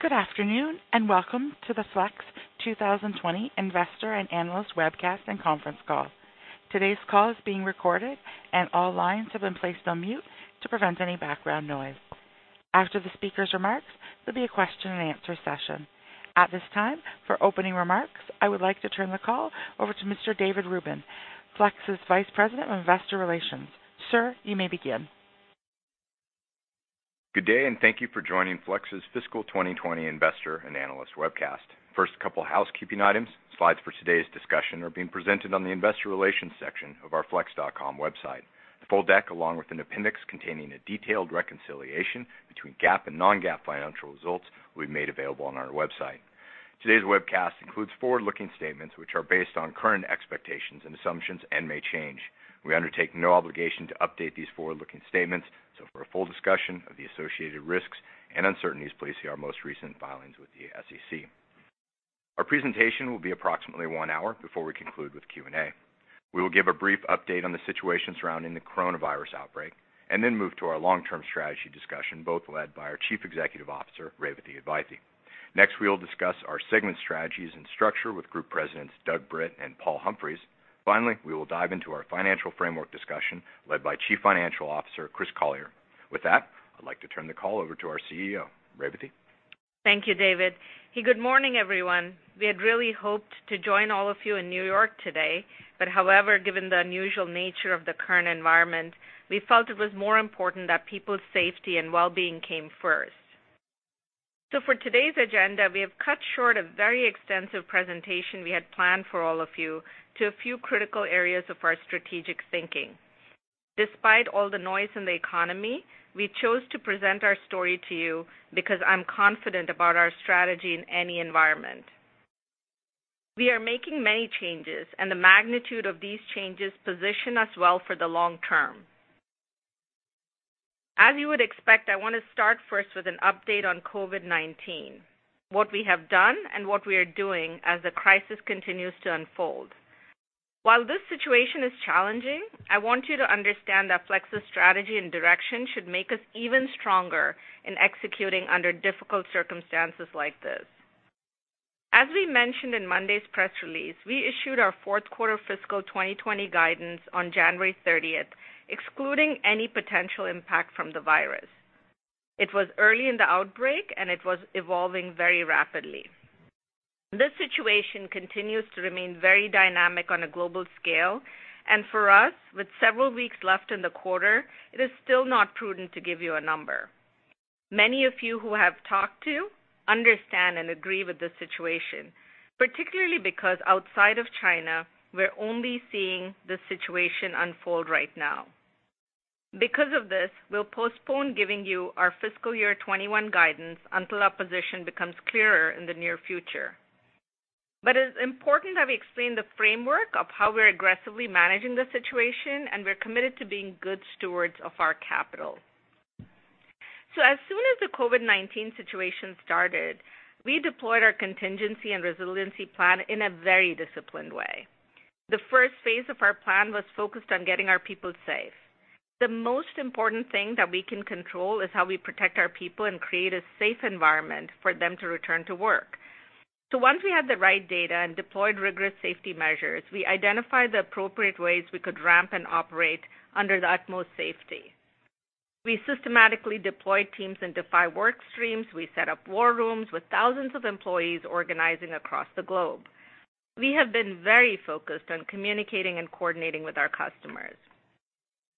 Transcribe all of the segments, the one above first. Good afternoon and welcome to the Flex 2020 Investor and Analyst Webcast and Conference Call. Today's call is being recorded, and all lines have been placed on mute to prevent any background noise. After the speaker's remarks, there'll be a question-and-answer session. At this time, for opening remarks, I would like to turn the call over to Mr. David Rubin, Flex's Vice President of Investor Relations. Sir, you may begin. Good day, and thank you for joining Flex's Fiscal 2020 Investor and Analyst webcast. First couple of housekeeping items: slides for today's discussion are being presented on the Investor Relations section of our flex.com website. The full deck, along with an appendix containing a detailed reconciliation between GAAP and non-GAAP financial results, will be made available on our website. Today's webcast includes forward-looking statements which are based on current expectations and assumptions and may change. We undertake no obligation to update these forward-looking statements, so for a full discussion of the associated risks and uncertainties, please see our most recent filings with the SEC. Our presentation will be approximately one hour before we conclude with Q&A. We will give a brief update on the situation surrounding the Coronavirus outbreak and then move to our long-term strategy discussion, both led by our Chief Executive Officer, Revathi Advaithi. Next, we'll discuss our segment strategies and structure with Group Presidents Doug Britt and Paul Humphries. Finally, we will dive into our financial framework discussion led by Chief Financial Officer, Chris Collier. With that, I'd like to turn the call over to our CEO, Revathi. Thank you, David. Hey, good morning, everyone. We had really hoped to join all of you in New York today, but however, given the unusual nature of the current environment, we felt it was more important that people's safety and well-being came first. So for today's agenda, we have cut short a very extensive presentation we had planned for all of you to a few critical areas of our strategic thinking. Despite all the noise in the economy, we chose to present our story to you because I'm confident about our strategy in any environment. We are making many changes, and the magnitude of these changes positions us well for the long term. As you would expect, I want to start first with an update on COVID-19, what we have done, and what we are doing as the crisis continues to unfold. While this situation is challenging, I want you to understand that Flex's strategy and direction should make us even stronger in executing under difficult circumstances like this. As we mentioned in Monday's press release, we issued our fourth quarter fiscal 2020 guidance on January 30th, excluding any potential impact from the virus. It was early in the outbreak, and it was evolving very rapidly. This situation continues to remain very dynamic on a global scale, and for us, with several weeks left in the quarter, it is still not prudent to give you a number. Many of you who have talked to understand and agree with this situation, particularly because outside of China, we're only seeing the situation unfold right now. Because of this, we'll postpone giving you our fiscal year 2021 guidance until our position becomes clearer in the near future. But it's important that we explain the framework of how we're aggressively managing the situation, and we're committed to being good stewards of our capital. So as soon as the COVID-19 situation started, we deployed our contingency and resiliency plan in a very disciplined way. The first phase of our plan was focused on getting our people safe. The most important thing that we can control is how we protect our people and create a safe environment for them to return to work. So once we had the right data and deployed rigorous safety measures, we identified the appropriate ways we could ramp and operate under the utmost safety. We systematically deployed teams into five work streams. We set up war rooms with thousands of employees organizing across the globe. We have been very focused on communicating and coordinating with our customers.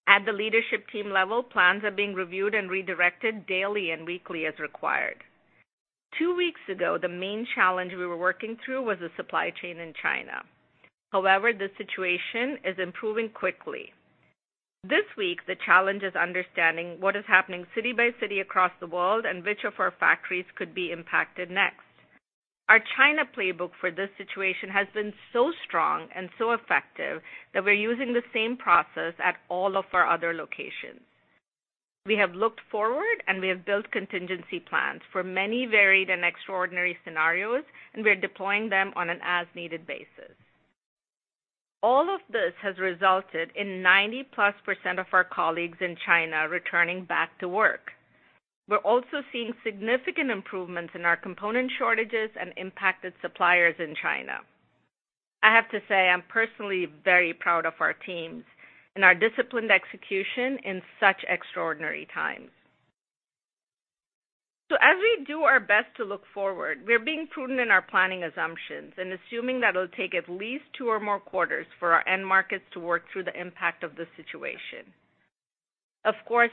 At the leadership team level, plans are being reviewed and redirected daily and weekly as required. Two weeks ago, the main challenge we were working through was the supply chain in China. However, this situation is improving quickly. This week, the challenge is understanding what is happening city by city across the world and which of our factories could be impacted next. Our China playbook for this situation has been so strong and so effective that we're using the same process at all of our other locations. We have looked forward, and we have built contingency plans for many varied and extraordinary scenarios, and we're deploying them on an as-needed basis. All of this has resulted in 90%+ of our colleagues in China returning back to work. We're also seeing significant improvements in our component shortages and impacted suppliers in China. I have to say I'm personally very proud of our teams and our disciplined execution in such extraordinary times. So as we do our best to look forward, we're being prudent in our planning assumptions and assuming that it'll take at least two or more quarters for our end markets to work through the impact of the situation. Of course,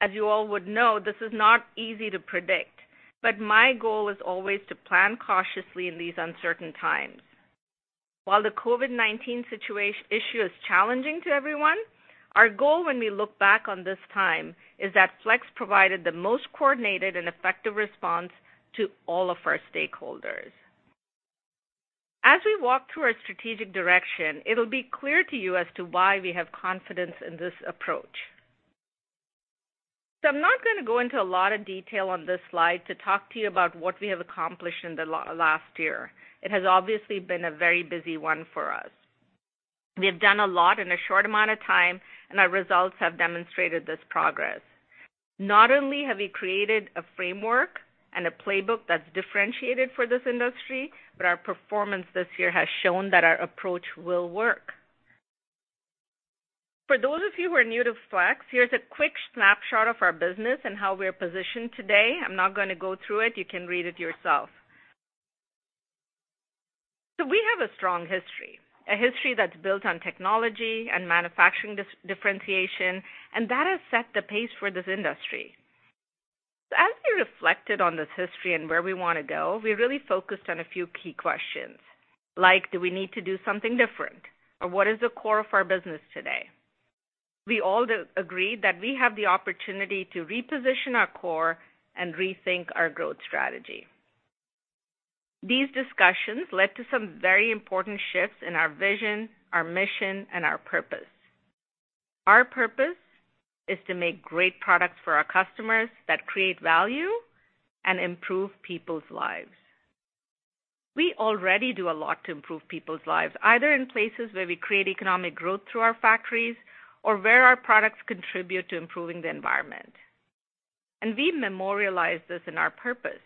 as you all would know, this is not easy to predict, but my goal is always to plan cautiously in these uncertain times. While the COVID-19 situation issue is challenging to everyone, our goal when we look back on this time is that Flex provided the most coordinated and effective response to all of our stakeholders. As we walk through our strategic direction, it'll be clear to you as to why we have confidence in this approach. I'm not going to go into a lot of detail on this slide to talk to you about what we have accomplished in the last year. It has obviously been a very busy one for us. We have done a lot in a short amount of time, and our results have demonstrated this progress. Not only have we created a framework and a playbook that's differentiated for this industry, but our performance this year has shown that our approach will work. For those of you who are new to Flex, here's a quick snapshot of our business and how we're positioned today. I'm not going to go through it. You can read it yourself. We have a strong history, a history that's built on technology and manufacturing differentiation, and that has set the pace for this industry. As we reflected on this history and where we want to go, we really focused on a few key questions like, do we need to do something different, or what is the core of our business today? We all agreed that we have the opportunity to reposition our core and rethink our growth strategy. These discussions led to some very important shifts in our vision, our mission, and our purpose. Our purpose is to make great products for our customers that create value and improve people's lives. We already do a lot to improve people's lives, either in places where we create economic growth through our factories or where our products contribute to improving the environment. And we memorialize this in our purpose,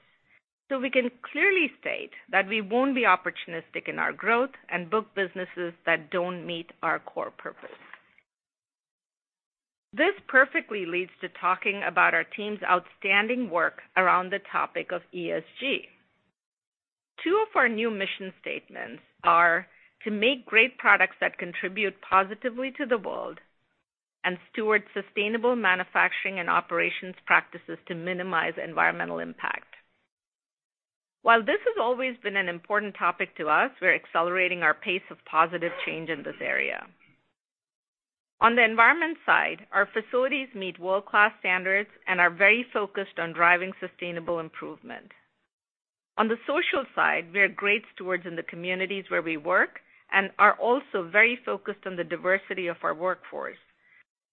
so we can clearly state that we won't be opportunistic in our growth and book businesses that don't meet our core purpose. This perfectly leads to talking about our team's outstanding work around the topic of ESG. Two of our new mission statements are to make great products that contribute positively to the world and steward sustainable manufacturing and operations practices to minimize environmental impact. While this has always been an important topic to us, we're accelerating our pace of positive change in this area. On the environment side, our facilities meet world-class standards and are very focused on driving sustainable improvement. On the social side, we are great stewards in the communities where we work and are also very focused on the diversity of our workforce.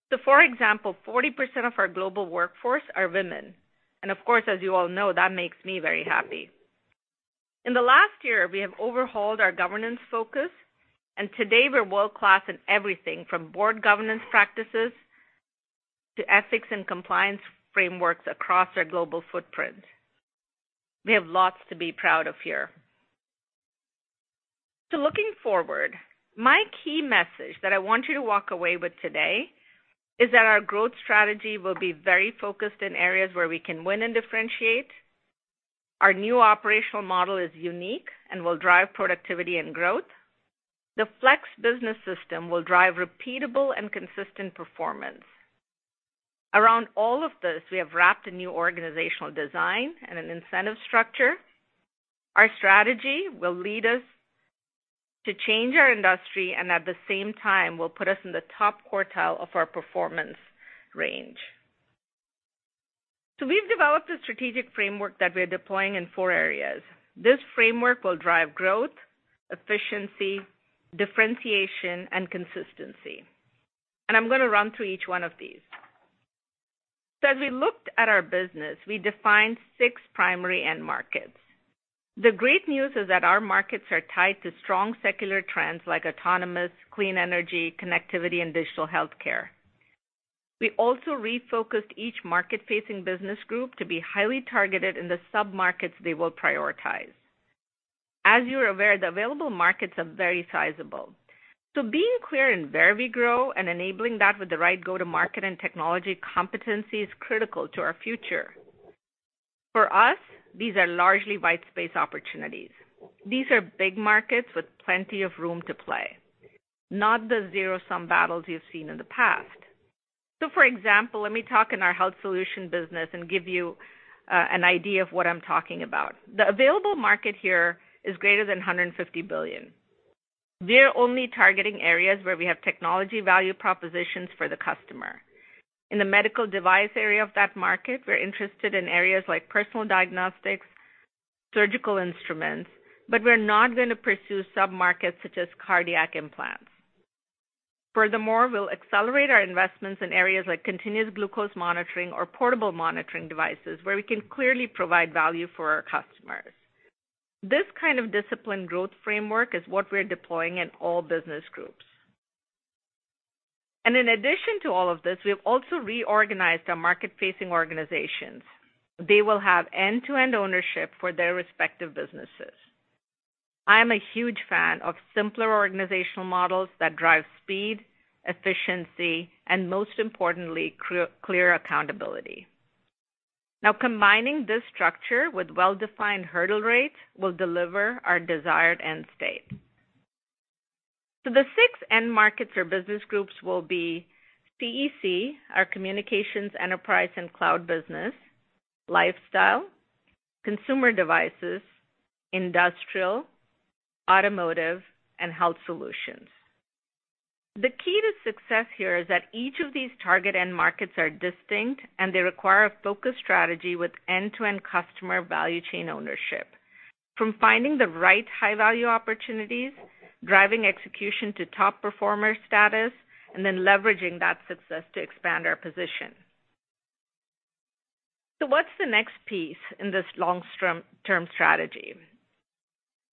So, for example, 40% of our global workforce are women. And of course, as you all know, that makes me very happy. In the last year, we have overhauled our governance focus, and today we're world-class in everything from board governance practices to ethics and compliance frameworks across our global footprint. We have lots to be proud of here. So looking forward, my key message that I want you to walk away with today is that our growth strategy will be very focused in areas where we can win and differentiate. Our new operational model is unique and will drive productivity and growth. The Flex Business System will drive repeatable and consistent performance. Around all of this, we have wrapped a new organizational design and an incentive structure. Our strategy will lead us to change our industry, and at the same time, will put us in the top quartile of our performance range. So we've developed a strategic framework that we're deploying in four areas. This framework will drive growth, efficiency, differentiation, and consistency. And I'm going to run through each one of these. So as we looked at our business, we defined six primary end markets. The great news is that our markets are tied to strong secular trends like autonomous, clean energy, connectivity, and digital healthcare. We also refocused each market-facing business group to be highly targeted in the sub-markets they will prioritize. As you're aware, the available markets are very sizable. So being clear in where we grow and enabling that with the right go-to-market and technology competency is critical to our future. For us, these are largely white space opportunities. These are big markets with plenty of room to play, not the zero-sum battles you've seen in the past. So, for example, let me talk about Health Solutions business and give you an idea of what I'm talking about. The available market here is greater than $150 billion. We're only targeting areas where we have technology value propositions for the customer. In the medical device area of that market, we're interested in areas like personal diagnostics, surgical instruments, but we're not going to pursue sub-markets such as cardiac implants. Furthermore, we'll accelerate our investments in areas like continuous glucose monitoring or portable monitoring devices where we can clearly provide value for our customers. This kind of disciplined growth framework is what we're deploying in all business groups. And in addition to all of this, we have also reorganized our market-facing organizations. They will have end-to-end ownership for their respective businesses. I am a huge fan of simpler organizational models that drive speed, efficiency, and most importantly, clear accountability. Now, combining this structure with well-defined hurdle rates will deliver our desired end state. So the six end markets or business groups will be CEC, our Communications, Enterprise, and Cloud business, Lifestyle, Consumer Devices, Industrial, Automotive, Health Solutions. the key to success here is that each of these target end markets are distinct, and they require a focused strategy with end-to-end customer value chain ownership, from finding the right high-value opportunities, driving execution to top performer status, and then leveraging that success to expand our position. So what's the next piece in this long-term strategy?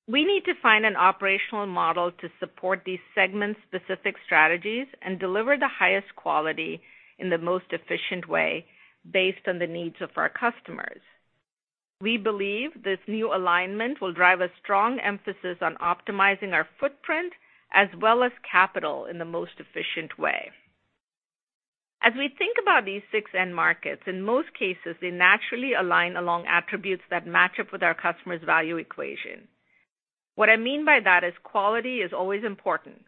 We need to find an operational model to support these segment-specific strategies and deliver the highest quality in the most efficient way based on the needs of our customers. We believe this new alignment will drive a strong emphasis on optimizing our footprint as well as capital in the most efficient way. As we think about these six end markets, in most cases, they naturally align along attributes that match up with our customer's value equation. What I mean by that is quality is always important,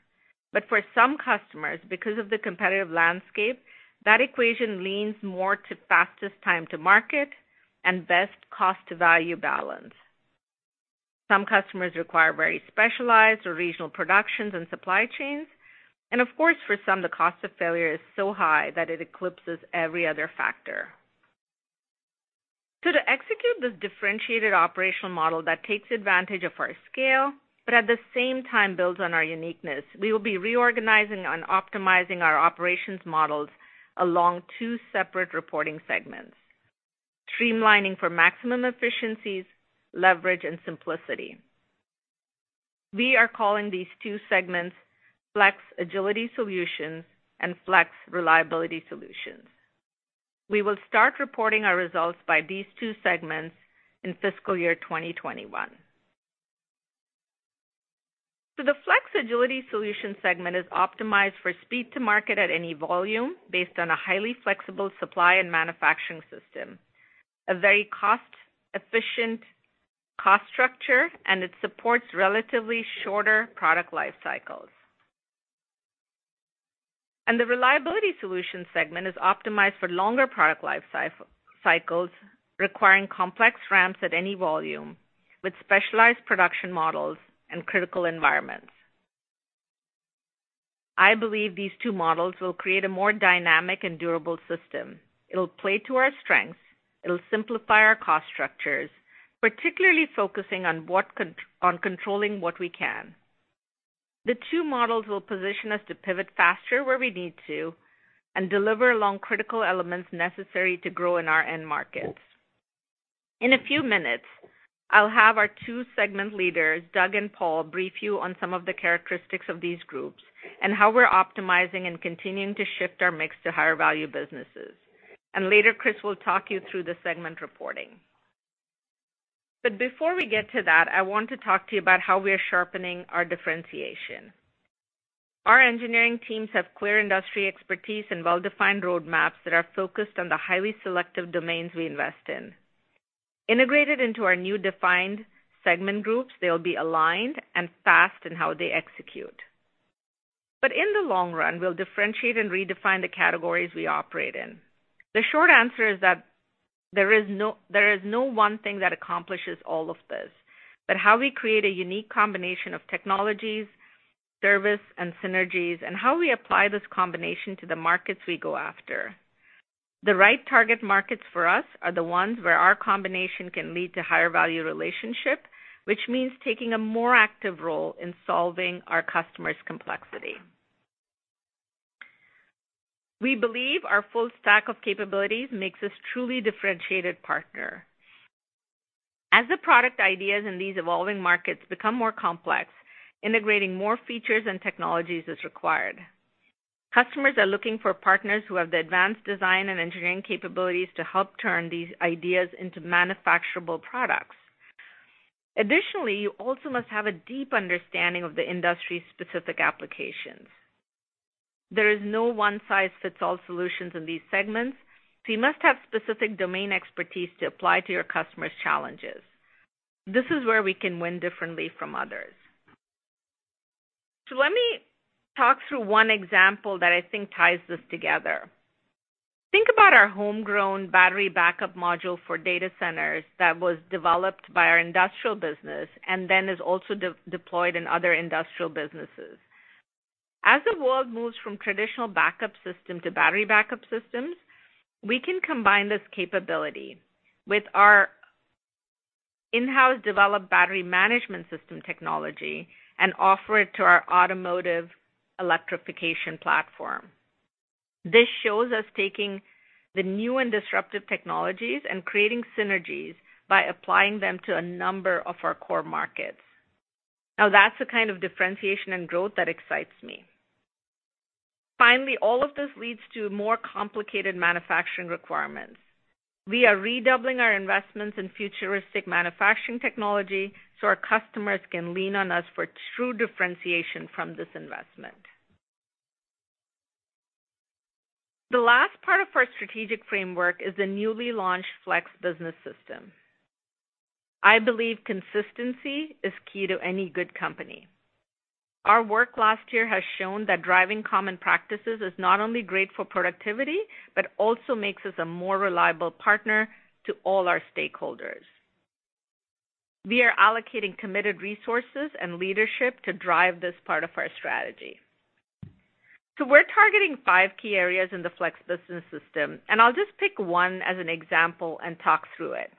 but for some customers, because of the competitive landscape, that equation leans more to fastest time to market and best cost-to-value balance. Some customers require very specialized or regional productions and supply chains, and of course, for some, the cost of failure is so high that it eclipses every other factor. So to execute this differentiated operational model that takes advantage of our scale, but at the same time builds on our uniqueness, we will be reorganizing and optimizing our operations models along two separate reporting segments, streamlining for maximum efficiencies, leverage, and simplicity. We are calling these two segments Flex Agility Solutions and Flex Reliability Solutions. We will start reporting our results by these two segments in fiscal year 2021. So the Flex Agility Solutions segment is optimized for speed to market at any volume based on a highly flexible supply and manufacturing system, a very cost-efficient cost structure, and it supports relatively shorter product life cycles. And the Flex Reliability Solutions segment is optimized for longer product life cycles requiring complex ramps at any volume with specialized production models and critical environments. I believe these two models will create a more dynamic and durable system. It'll play to our strengths. It'll simplify our cost structures, particularly focusing on controlling what we can. The two models will position us to pivot faster where we need to and deliver along critical elements necessary to grow in our end markets. In a few minutes, I'll have our two segment leaders, Doug and Paul, brief you on some of the characteristics of these groups and how we're optimizing and continuing to shift our mix to higher value businesses. And later, Chris will talk you through the segment reporting. But before we get to that, I want to talk to you about how we are sharpening our differentiation. Our engineering teams have clear industry expertise and well-defined roadmaps that are focused on the highly selective domains we invest in. Integrated into our new defined segment groups, they'll be aligned and fast in how they execute. But in the long run, we'll differentiate and redefine the categories we operate in. The short answer is that there is no one thing that accomplishes all of this, but how we create a unique combination of technologies, service, and synergies, and how we apply this combination to the markets we go after. The right target markets for us are the ones where our combination can lead to higher value relationship, which means taking a more active role in solving our customer's complexity. We believe our full stack of capabilities makes us a truly differentiated partner. As the product ideas in these evolving markets become more complex, integrating more features and technologies is required. Customers are looking for partners who have the advanced design and engineering capabilities to help turn these ideas into manufacturable products. Additionally, you also must have a deep understanding of the industry-specific applications. There is no one-size-fits-all solutions in these segments, so you must have specific domain expertise to apply to your customer's challenges. This is where we can win differently from others. So let me talk through one example that I think ties this together. Think about our homegrown battery backup module for data centers that was developed by our Industrial business and then is also deployed in other Industrial businesses. As the world moves from traditional backup system to battery backup systems, we can combine this capability with our in-house developed battery management system technology and offer it to our Automotive electrification platform. This shows us taking the new and disruptive technologies and creating synergies by applying them to a number of our core markets. Now, that's the kind of differentiation and growth that excites me. Finally, all of this leads to more complicated manufacturing requirements. We are redoubling our investments in futuristic manufacturing technology so our customers can lean on us for true differentiation from this investment. The last part of our strategic framework is the newly launched Flex Business System. I believe consistency is key to any good company. Our work last year has shown that driving common practices is not only great for productivity, but also makes us a more reliable partner to all our stakeholders. We are allocating committed resources and leadership to drive this part of our strategy. So we're targeting five key areas in the Flex Business System, and I'll just pick one as an example and talk through it.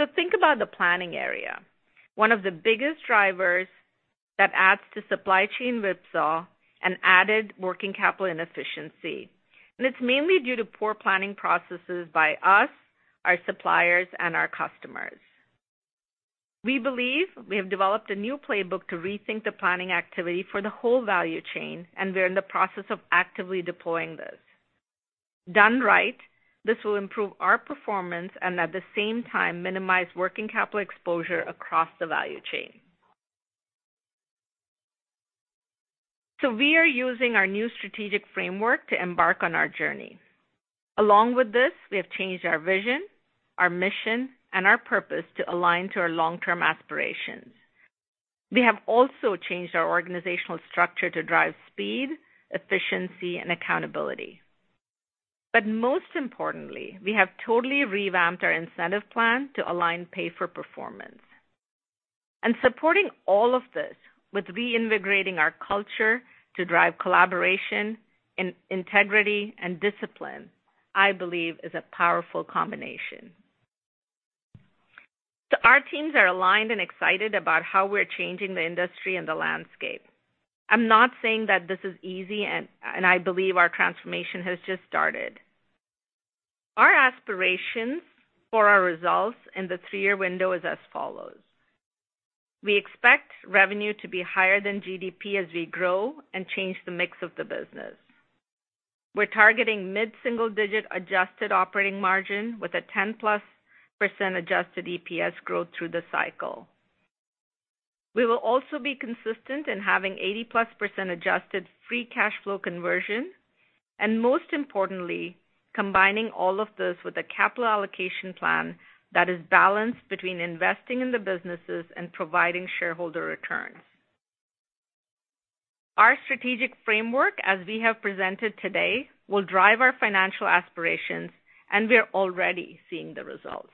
So think about the planning area. One of the biggest drivers that adds to supply chain whipsaw and added working capital inefficiency. And it's mainly due to poor planning processes by us, our suppliers, and our customers. We believe we have developed a new playbook to rethink the planning activity for the whole value chain, and we're in the process of actively deploying this. Done right, this will improve our performance and at the same time minimize working capital exposure across the value chain. So we are using our new strategic framework to embark on our journey. Along with this, we have changed our vision, our mission, and our purpose to align to our long-term aspirations. We have also changed our organizational structure to drive speed, efficiency, and accountability. But most importantly, we have totally revamped our incentive plan to align pay-for-performance. And supporting all of this with reintegrating our culture to drive collaboration, integrity, and discipline, I believe, is a powerful combination. So our teams are aligned and excited about how we're changing the industry and the landscape. I'm not saying that this is easy, and I believe our transformation has just started. Our aspirations for our results in the three-year window is as follows. We expect revenue to be higher than GDP as we grow and change the mix of the business. We're targeting mid-single-digit adjusted operating margin with a 10%+ adjusted EPS growth through the cycle. We will also be consistent in having 80%+ adjusted free cash flow conversion, and most importantly, combining all of this with a capital allocation plan that is balanced between investing in the businesses and providing shareholder returns. Our strategic framework, as we have presented today, will drive our financial aspirations, and we're already seeing the results.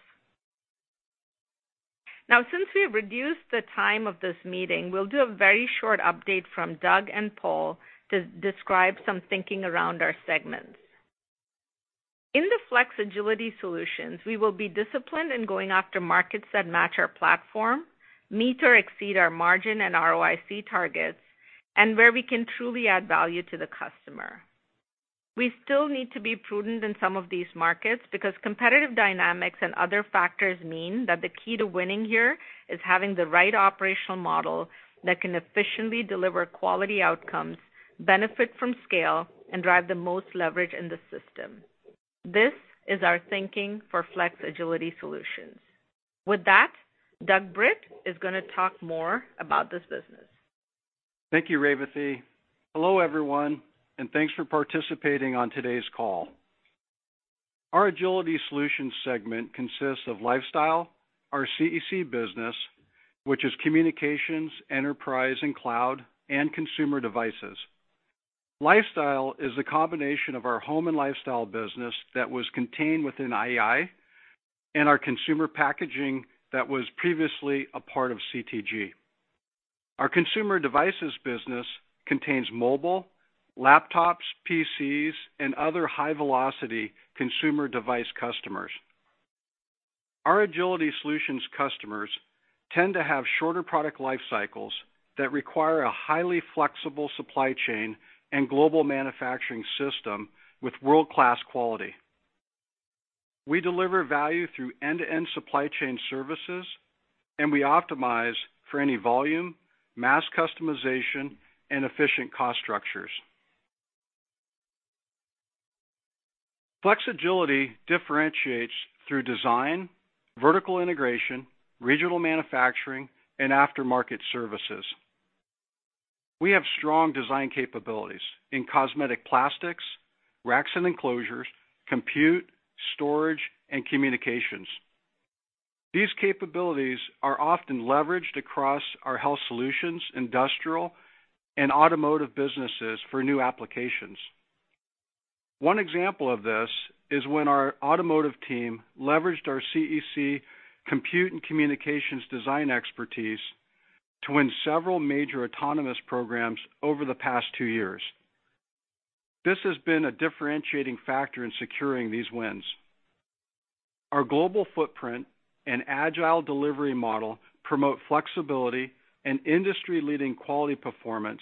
Now, since we have reduced the time of this meeting, we'll do a very short update from Doug and Paul to describe some thinking around our segments. In the Flex Agility Solutions, we will be disciplined in going after markets that match our platform, meet or exceed our margin and ROIC targets, and where we can truly add value to the customer. We still need to be prudent in some of these markets because competitive dynamics and other factors mean that the key to winning here is having the right operational model that can efficiently deliver quality outcomes, benefit from scale, and drive the most leverage in the system. This is our thinking for Flex Agility Solutions. With that, Doug Britt is going to talk more about this business. Thank you, Revathi. Hello, everyone, and thanks for participating on today's call. Our Agility Solutions segment consists of Lifestyle, our CEC business, which is Communications, Enterprise, and Cloud, and Consumer Devices. Lifestyle is a combination of our Home and Lifestyle business that was contained within IEI and our Consumer Packaging that was previously a part of CTG. Our Consumer Devices business contains mobile, laptops, PCs, and other high-velocity consumer device customers. Our Agility Solutions customers tend to have shorter product life cycles that require a highly flexible supply chain and global manufacturing system with world-class quality. We deliver value through end-to-end supply chain services, and we optimize for any volume, mass customization, and efficient cost structures. Flex Agility differentiates through design, vertical integration, regional manufacturing, and aftermarket services. We have strong design capabilities in cosmetic plastics, racks and enclosures, compute, storage, and communications. These capabilities are often leveraged across Health Solutions, industrial, and Automotive businesses for new applications. One example of this is when our Automotive team leveraged our CEC compute and communications design expertise to win several major autonomous programs over the past two years. This has been a differentiating factor in securing these wins. Our global footprint and agile delivery model promote flexibility and industry-leading quality performance,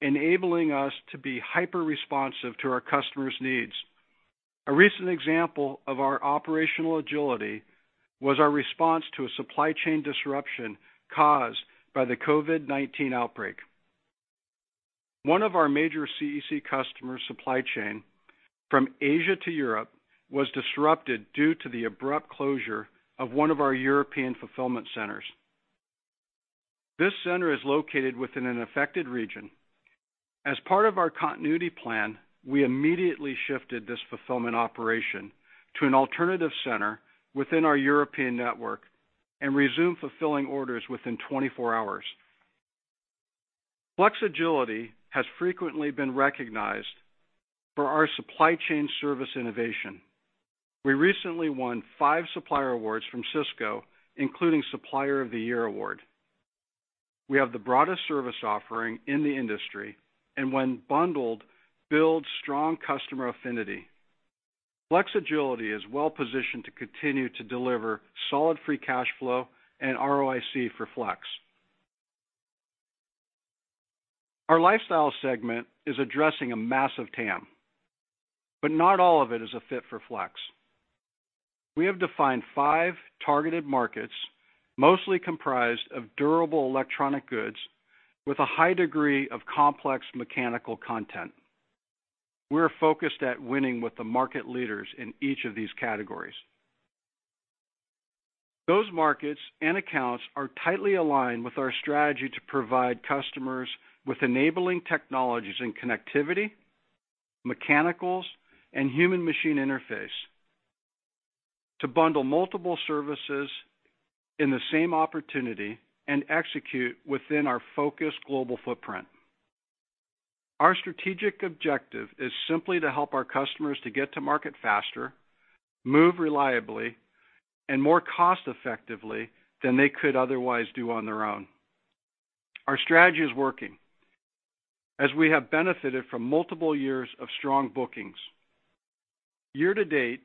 enabling us to be hyper-responsive to our customers' needs. A recent example of our operational Agility was our response to a supply chain disruption caused by the COVID-19 outbreak. One of our major CEC customers' supply chain from Asia to Europe was disrupted due to the abrupt closure of one of our European fulfillment centers. This center is located within an affected region. As part of our continuity plan, we immediately shifted this fulfillment operation to an alternative center within our European network and resumed fulfilling orders within 24 hours. Flex Agility has frequently been recognized for our supply chain service innovation. We recently won five supplier awards from Cisco, including Supplier of the Year award. We have the broadest service offering in the industry, and when bundled, builds strong customer affinity. Flex Agility is well-positioned to continue to deliver solid free cash flow and ROIC for Flex. Our Lifestyle segment is addressing a massive TAM, but not all of it is a fit for Flex. We have defined five targeted markets mostly comprised of durable electronic goods with a high degree of complex mechanical content. We're focused at winning with the market leaders in each of these categories. Those markets and accounts are tightly aligned with our strategy to provide customers with enabling technologies in connectivity, mechanicals, and human-machine interface to bundle multiple services in the same opportunity and execute within our focused global footprint. Our strategic objective is simply to help our customers to get to market faster, move reliably, and more cost-effectively than they could otherwise do on their own. Our strategy is working as we have benefited from multiple years of strong bookings. Year to date,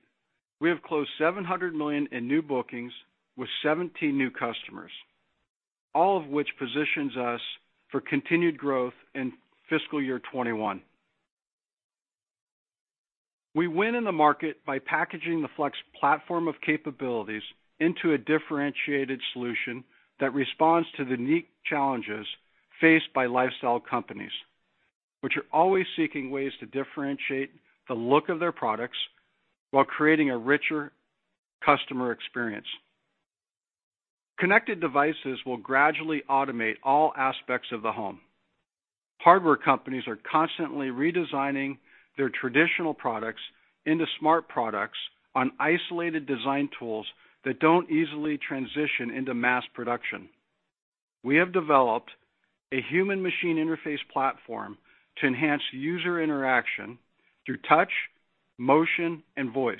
we have closed $700 million in new bookings with 17 new customers, all of which positions us for continued growth in fiscal year 2021. We win in the market by packaging the Flex platform of capabilities into a differentiated solution that responds to the unique challenges faced by Lifestyle companies, which are always seeking ways to differentiate the look of their products while creating a richer customer experience. Connected devices will gradually automate all aspects of the Home. Hardware companies are constantly redesigning their traditional products into smart products on isolated design tools that don't easily transition into mass production. We have developed a human-machine interface platform to enhance user interaction through touch, motion, and voice.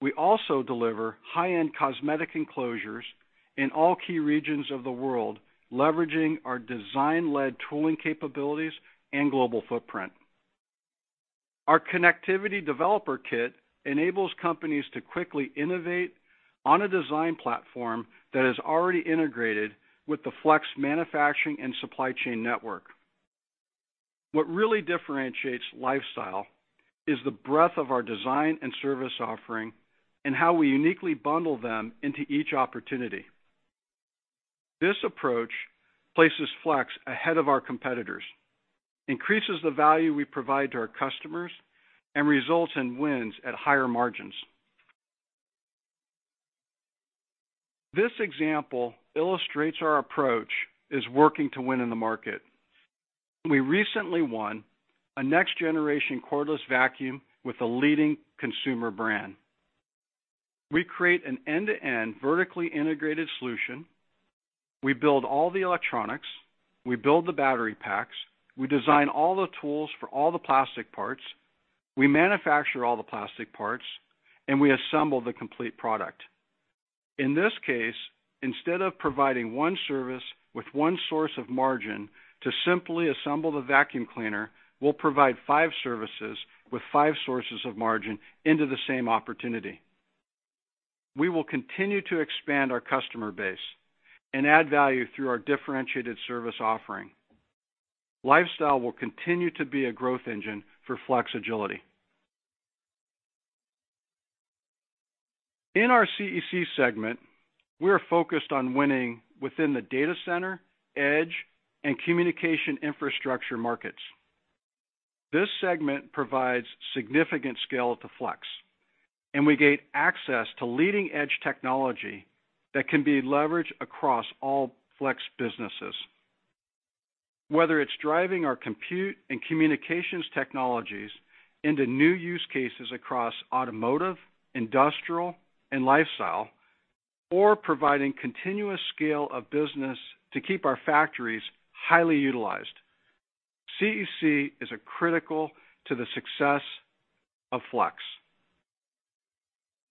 We also deliver high-end cosmetic enclosures in all key regions of the world, leveraging our design-led tooling capabilities and global footprint. Our connectivity developer kit enables companies to quickly innovate on a design platform that is already integrated with the Flex manufacturing and supply chain network. What really differentiates Lifestyle is the breadth of our design and service offering and how we uniquely bundle them into each opportunity. This approach places Flex ahead of our competitors, increases the value we provide to our customers, and results in wins at higher margins. This example illustrates our approach is working to win in the market. We recently won a next-generation cordless vacuum with a leading consumer brand. We create an end-to-end vertically integrated solution. We build all the electronics. We build the battery packs. We design all the tools for all the plastic parts. We manufacture all the plastic parts, and we assemble the complete product. In this case, instead of providing one service with one source of margin to simply assemble the vacuum cleaner, we'll provide five services with five sources of margin into the same opportunity. We will continue to expand our customer base and add value through our differentiated service offering. Lifestyle will continue to be a growth engine for Flex Agility. In our CEC segment, we are focused on winning within the data center, edge, and communication infrastructure markets. This segment provides significant scale to Flex, and we gain access to leading-edge technology that can be leveraged across all Flex businesses, whether it's driving our compute and communications technologies into new use cases across Automotive, Industrial, and Lifestyle, or providing continuous scale of business to keep our factories highly utilized. CEC is critical to the success of Flex.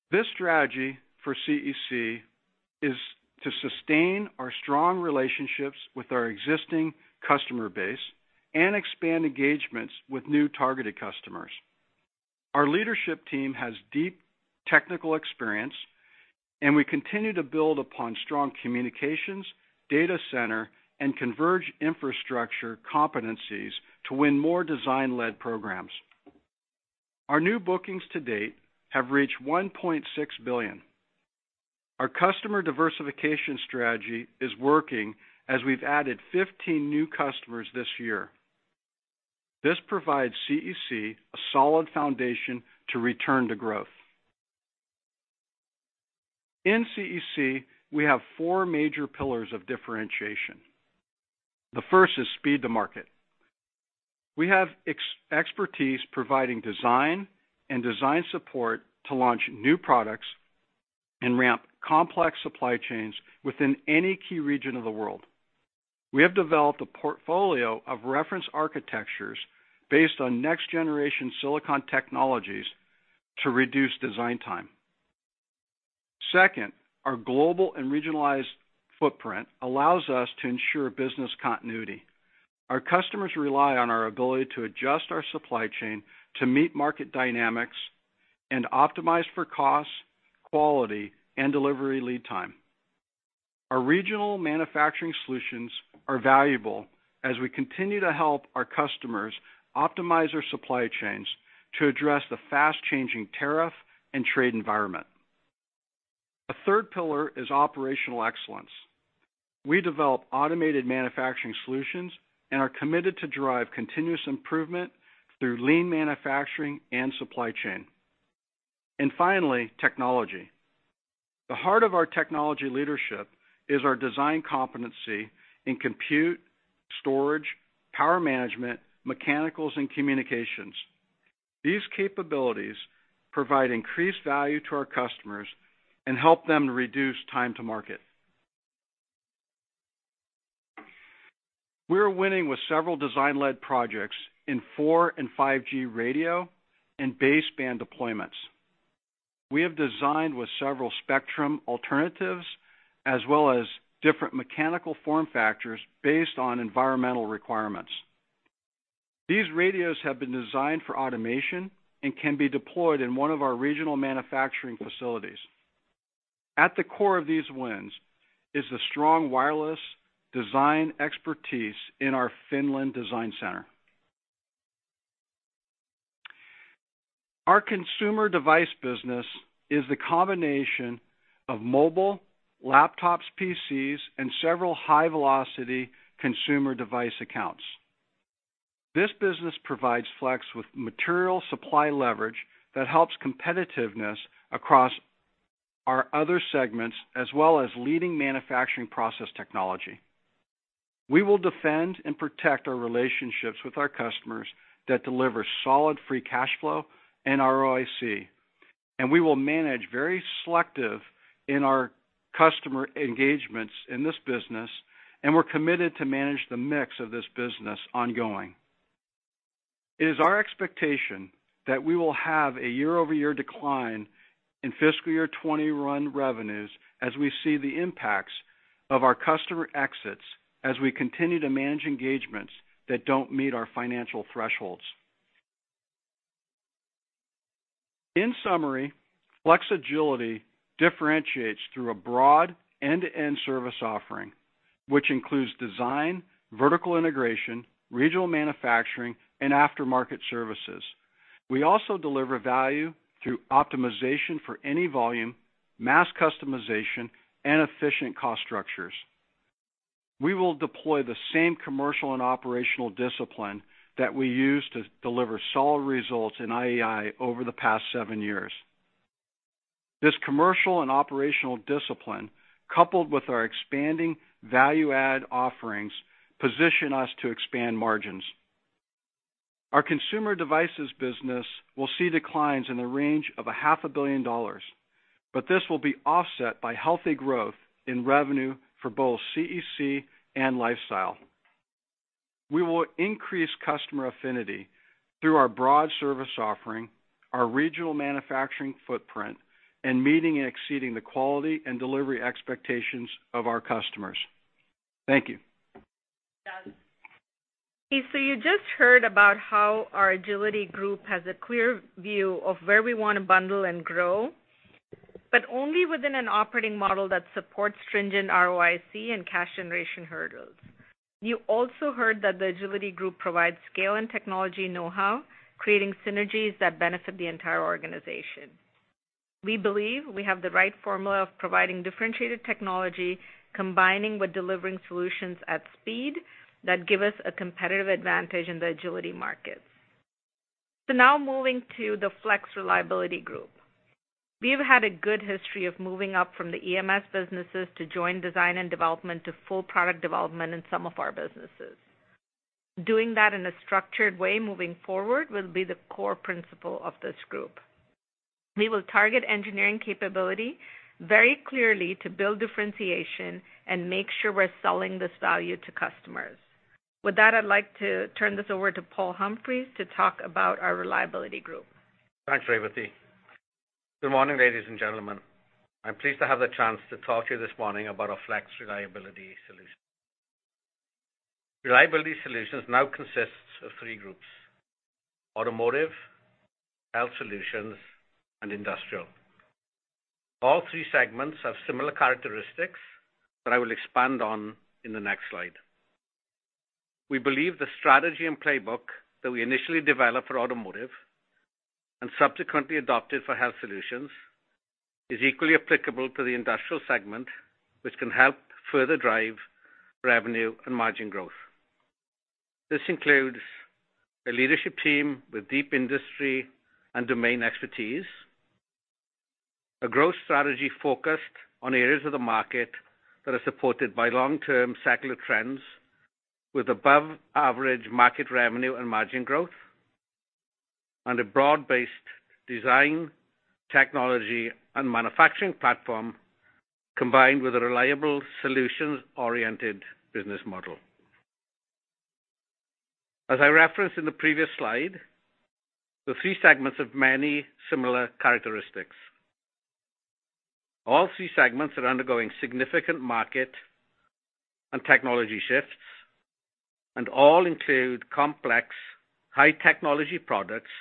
This strategy for CEC is to sustain our strong relationships with our existing customer base and expand engagements with new targeted customers. Our leadership team has deep technical experience, and we continue to build upon strong communications, data center, and converged infrastructure competencies to win more design-led programs. Our new bookings to date have reached $1.6 billion. Our customer diversification strategy is working as we've added 15 new customers this year. This provides CEC a solid foundation to return to growth. In CEC, we have four major pillars of differentiation. The first is speed to market. We have expertise providing design and design support to launch new products and ramp complex supply chains within any key region of the world. We have developed a portfolio of reference architectures based on next-generation silicon technologies to reduce design time. Second, our global and regionalized footprint allows us to ensure business continuity. Our customers rely on our ability to adjust our supply chain to meet market dynamics and optimize for cost, quality, and delivery lead time. Our regional manufacturing solutions are valuable as we continue to help our customers optimize our supply chains to address the fast-changing tariff and trade environment. A third pillar is operational excellence. We develop automated manufacturing solutions and are committed to drive continuous improvement through lean manufacturing and supply chain. And finally, technology. The heart of our technology leadership is our design competency in compute, storage, power management, mechanicals, and communications. These capabilities provide increased value to our customers and help them reduce time to market. We are winning with several design-led projects in 4G and 5G radio and baseband deployments. We have designed with several spectrum alternatives as well as different mechanical form factors based on environmental requirements. These radios have been designed for automation and can be deployed in one of our regional manufacturing facilities. At the core of these wins is the strong wireless design expertise in our Finland design center. Our Consumer Device business is the combination of mobile, laptops, PCs, and several high-velocity consumer device accounts. This business provides Flex with material supply leverage that helps competitiveness across our other segments as well as leading manufacturing process technology. We will defend and protect our relationships with our customers that deliver solid free cash flow and ROIC, and we will manage very selective in our customer engagements in this business, and we're committed to manage the mix of this business ongoing. It is our expectation that we will have a year-over-year decline in fiscal year 2021 revenues as we see the impacts of our customer exits as we continue to manage engagements that don't meet our financial thresholds. In summary, Flex Agility differentiates through a broad end-to-end service offering, which includes design, vertical integration, regional manufacturing, and aftermarket services. We also deliver value through optimization for any volume, mass customization, and efficient cost structures. We will deploy the same commercial and operational discipline that we use to deliver solid results in IEI over the past seven years. This commercial and operational discipline, coupled with our expanding value-add offerings, positions us to expand margins. Our Consumer Devices business will see declines in the range of $500 million, but this will be offset by healthy growth in revenue for both CEC and Lifestyle. We will increase customer affinity through our broad service offering, our regional manufacturing footprint, and meeting and exceeding the quality and delivery expectations of our customers. Thank you. So you just heard about how our Agility group has a clear view of where we want to bundle and grow, but only within an operating model that supports stringent ROIC and cash generation hurdles. You also heard that the Agility group provides scale and technology know-how, creating synergies that benefit the entire organization. We believe we have the right formula of providing differentiated technology, combining with delivering solutions at speed that give us a competitive advantage in the Agility markets. So now moving to the Flex Reliability group. We have had a good history of moving up from the EMS businesses to joint design and development to full product development in some of our businesses. Doing that in a structured way moving forward will be the core principle of this group. We will target engineering capability very clearly to build differentiation and make sure we're selling this value to customers. With that, I'd like to turn this over to Paul Humphries to talk about our Reliability group. Thanks, Revathi. Good morning, ladies and gentlemen. I'm pleased to have the chance to talk to you this morning about our Flex Reliability Solutions. Reliability Solutions now consist of three groups: Automotive, Health Solutions, and Industrial. All three segments have similar characteristics that I will expand on in the next slide. We believe the strategy and playbook that we initially developed for Automotive and subsequently adopted Health Solutions is equally applicable to the Industrial segment, which can help further drive revenue and margin growth. This includes a leadership team with deep industry and domain expertise, a growth strategy focused on areas of the market that are supported by long-term cyclic trends with above-average market revenue and margin growth, and a broad-based design, technology, and manufacturing platform combined with a Reliability Solutions-oriented business model. As I referenced in the previous slide, the three segments have many similar characteristics. All three segments are undergoing significant market and technology shifts, and all include complex, high-technology products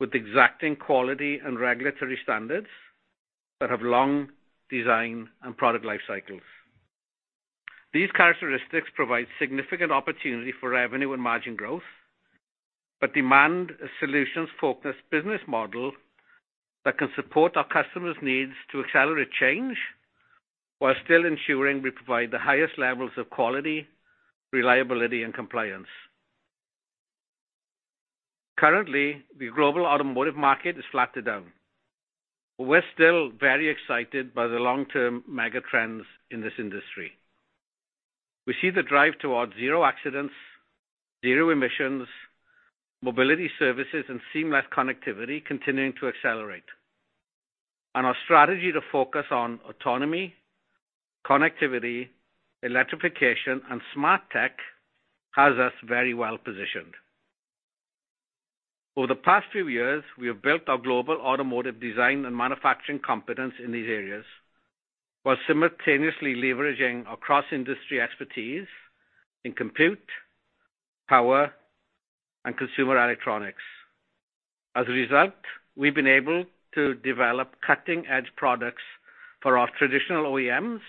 with exacting quality and regulatory standards that have long design and product life cycles. These characteristics provide significant opportunity for revenue and margin growth, but demand a solutions-focused business model that can support our customers' needs to accelerate change while still ensuring we provide the highest levels of quality, Reliability, and compliance. Currently, the global Automotive market is flattening out. We're still very excited by the long-term mega trends in this industry. We see the drive towards zero accidents, zero emissions, mobility services, and seamless connectivity continuing to accelerate, and our strategy to focus on autonomy, connectivity, electrification, and smart tech has us very well positioned. Over the past few years, we have built our global Automotive design and manufacturing competence in these areas while simultaneously leveraging across-industry expertise in compute, power, and consumer electronics. As a result, we've been able to develop cutting-edge products for our traditional OEMs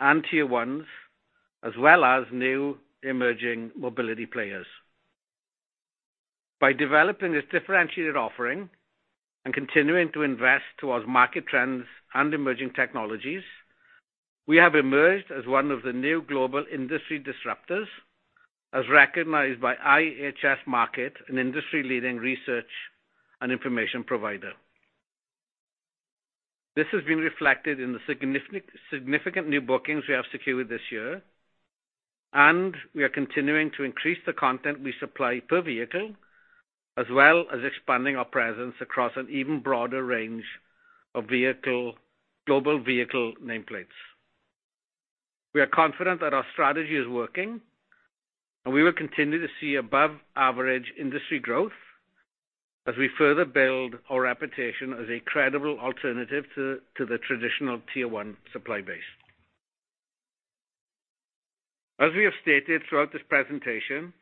and Tier Ones, as well as new emerging mobility players. By developing this differentiated offering and continuing to invest towards market trends and emerging technologies, we have emerged as one of the new global industry disruptors, as recognized by IHS Markit, an industry-leading research and information provider. This has been reflected in the significant new bookings we have secured this year, and we are continuing to increase the content we supply per vehicle, as well as expanding our presence across an even broader range of global vehicle nameplates. We are confident that our strategy is working, and we will continue to see above-average industry growth as we further build our reputation as a credible alternative to the traditional Tier One supply base. As we have stated throughout this presentation,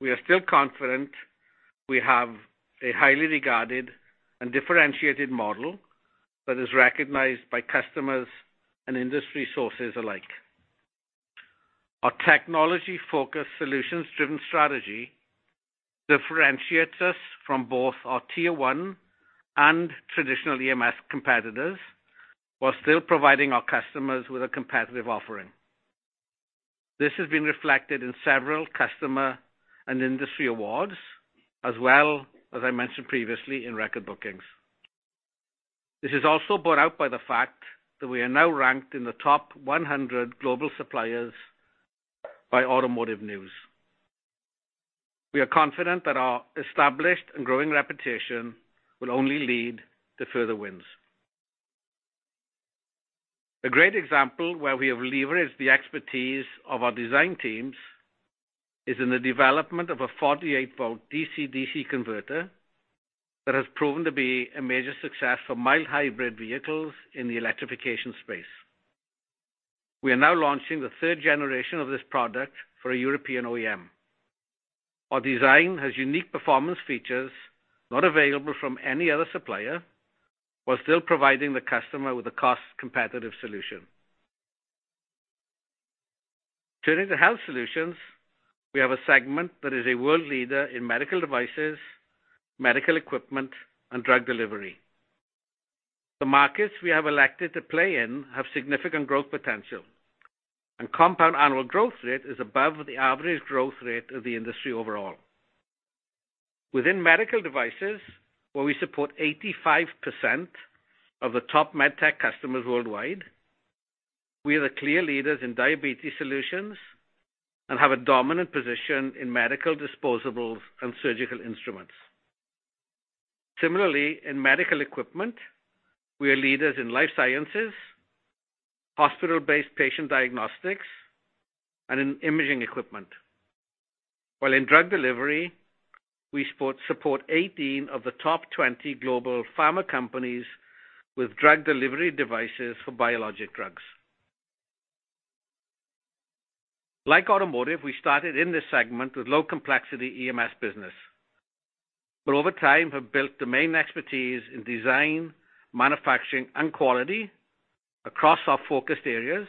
we are still confident we have a highly regarded and differentiated model that is recognized by customers and industry sources alike. Our technology-focused solutions-driven strategy differentiates us from both our Tier One and traditional EMS competitors while still providing our customers with a competitive offering. This has been reflected in several customer and industry awards, as well as, I mentioned previously, in record bookings. This is also brought out by the fact that we are now ranked in the top 100 global suppliers by Automotive News. We are confident that our established and growing reputation will only lead to further wins. A great example where we have leveraged the expertise of our design teams is in the development of a 48-volt DC-DC converter that has proven to be a major success for mild hybrid vehicles in the electrification space. We are now launching the third generation of this product for a European OEM. Our design has unique performance features not available from any other supplier, while still providing the customer with a cost-competitive solution. Turning Health Solutions, we have a segment that is a world leader in medical devices, medical equipment, and drug delivery. The markets we have elected to play in have significant growth potential, and compound annual growth rate is above the average growth rate of the industry overall. Within medical devices, where we support 85% of the top MedTech customers worldwide, we are the clear leaders in diabetes solutions and have a dominant position in medical disposables and surgical instruments. Similarly, in medical equipment, we are leaders in life sciences, hospital-based patient diagnostics, and in imaging equipment. While in drug delivery, we support 18 of the top 20 global pharma companies with drug delivery devices for biologic drugs. Like Automotive, we started in this segment with low-complexity EMS business, but over time have built domain expertise in design, manufacturing, and quality across our focused areas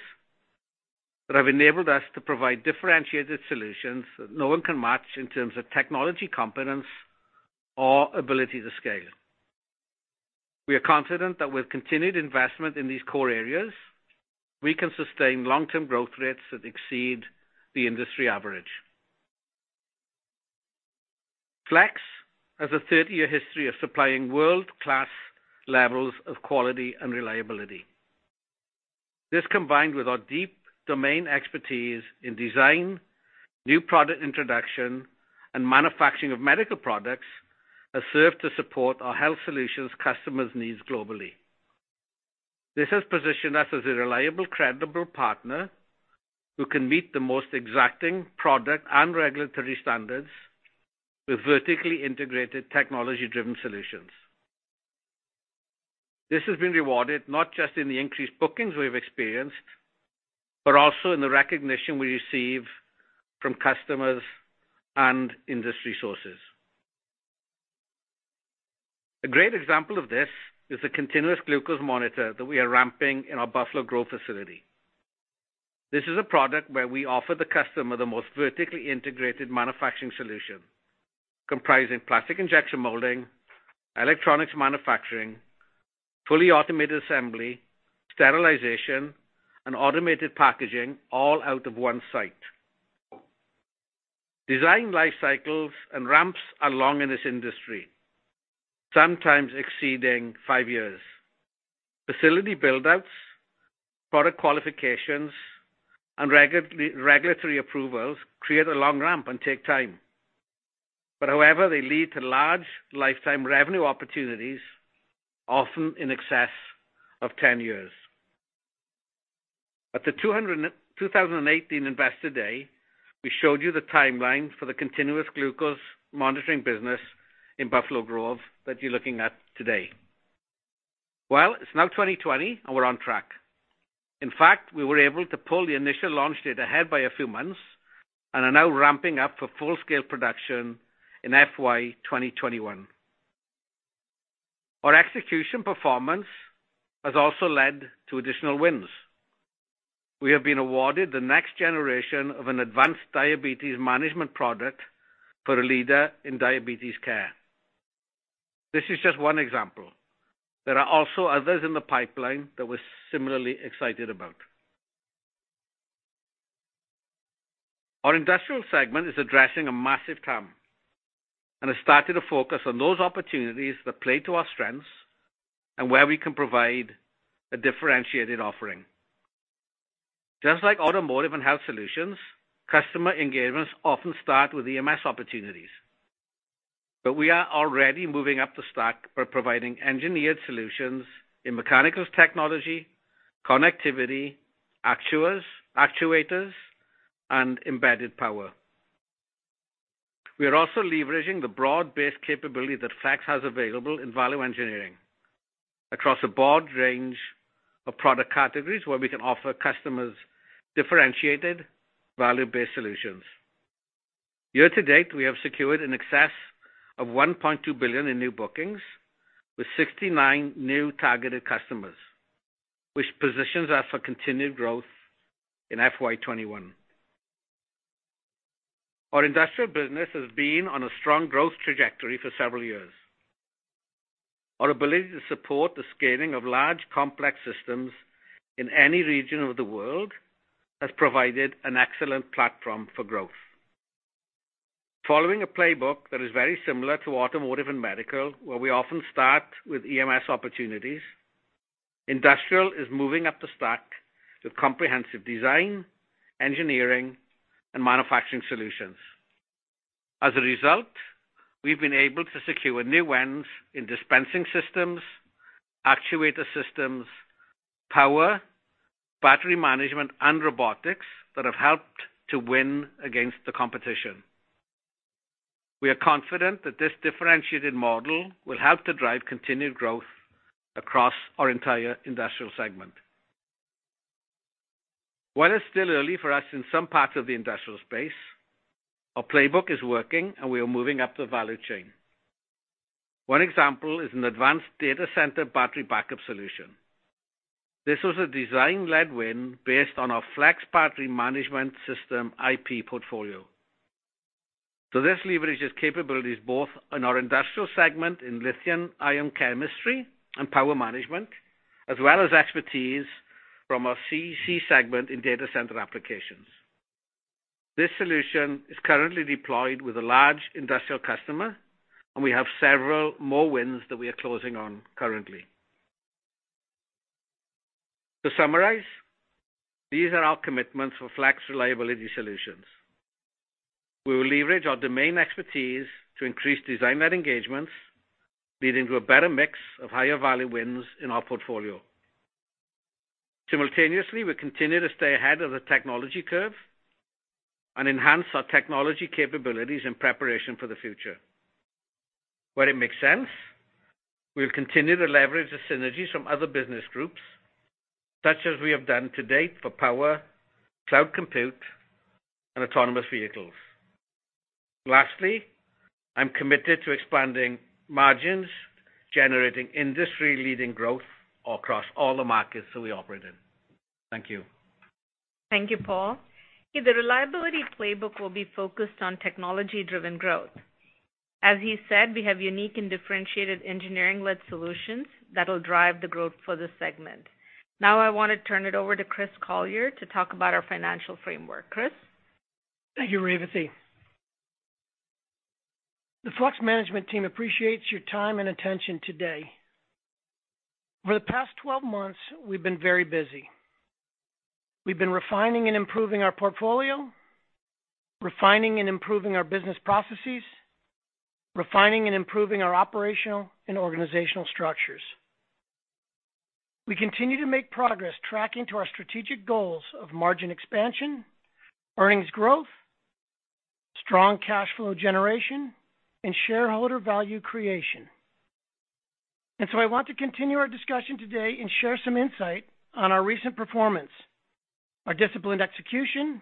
that have enabled us to provide differentiated solutions that no one can match in terms of technology competence or ability to scale. We are confident that with continued investment in these core areas, we can sustain long-term growth rates that exceed the industry average. Flex has a 30-year history of supplying world-class levels of quality and Reliability. This, combined with our deep domain expertise in design, new product introduction, and manufacturing of medical products, has served to support Health Solutions customers' needs globally. This has positioned us as a reliable, credible partner who can meet the most exacting product and regulatory standards with vertically integrated technology-driven solutions. This has been rewarded not just in the increased bookings we've experienced, but also in the recognition we receive from customers and industry sources. A great example of this is the continuous glucose monitor that we are ramping in our Buffalo Grove facility. This is a product where we offer the customer the most vertically integrated manufacturing solution, comprising plastic injection molding, electronics manufacturing, fully automated assembly, sterilization, and automated packaging, all out of one site. Design life cycles and ramps are long in this industry, sometimes exceeding five years. Facility buildouts, product qualifications, and regulatory approvals create a long ramp and take time. However, they lead to large lifetime revenue opportunities, often in excess of 10 years. At the 2018 Investor Day, we showed you the timeline for the continuous glucose monitoring business in Buffalo Grove that you're looking at today. It's now 2020, and we're on track. In fact, we were able to pull the initial launch date ahead by a few months and are now ramping up for full-scale production in FY 2021. Our execution performance has also led to additional wins. We have been awarded the next generation of an advanced diabetes management product for a leader in diabetes care. This is just one example. There are also others in the pipeline that we're similarly excited about. Our Industrial segment is addressing a massive TAM and has started to focus on those opportunities that play to our strengths and where we can provide a differentiated offering. Just like Automotive, Health Solutions, customer engagements often start with EMS opportunities. But we are already moving up the stack by providing engineered solutions in mechanical technology, connectivity, actuators, and embedded power. We are also leveraging the broad-based capability that Flex has available in value engineering across a broad range of product categories where we can offer customers differentiated value-based solutions. Year to date, we have secured an excess of $1.2 billion in new bookings with 69 new targeted customers, which positions us for continued growth in FY 2021. Our Industrial business has been on a strong growth trajectory for several years. Our ability to support the scaling of large complex systems in any region of the world has provided an excellent platform for growth. Following a playbook that is very similar to Automotive and medical, where we often start with EMS opportunities, Industrial is moving up the stack with comprehensive design, engineering, and manufacturing solutions. As a result, we've been able to secure new ones in dispensing systems, actuator systems, power, battery management, and robotics that have helped to win against the competition. We are confident that this differentiated model will help to drive continued growth across our entire Industrial segment. While it's still early for us in some parts of the Industrial space, our playbook is working, and we are moving up the value chain. One example is an advanced data center battery backup solution. This was a design-led win based on our Flex battery management system IP portfolio. So this leverages capabilities both in our Industrial segment in lithium-ion chemistry and power management, as well as expertise from our CEC segment in data center applications. This solution is currently deployed with a large Industrial customer, and we have several more wins that we are closing on currently. To summarize, these are our commitments for Flex Reliability Solutions. We will leverage our domain expertise to increase design-led engagements, leading to a better mix of higher value wins in our portfolio. Simultaneously, we continue to stay ahead of the technology curve and enhance our technology capabilities in preparation for the future. Where it makes sense, we'll continue to leverage the synergies from other business groups, such as we have done to date for power, cloud compute, and autonomous vehicles. Lastly, I'm committed to expanding margins, generating industry-leading growth across all the markets that we operate in. Thank you. Thank you, Paul. The Reliability playbook will be focused on technology-driven growth. As he said, we have unique and differentiated engineering-led solutions that will drive the growth for the segment. Now, I want to turn it over to Chris Collier to talk about our financial framework. Chris. Thank you, Revathi. The Flex management team appreciates your time and attention today. Over the past 12 months, we've been very busy. We've been refining and improving our portfolio, refining and improving our business processes, refining and improving our operational and organizational structures. We continue to make progress tracking to our strategic goals of margin expansion, earnings growth, strong cash flow generation, and shareholder value creation. And so I want to continue our discussion today and share some insight on our recent performance, our discipline execution,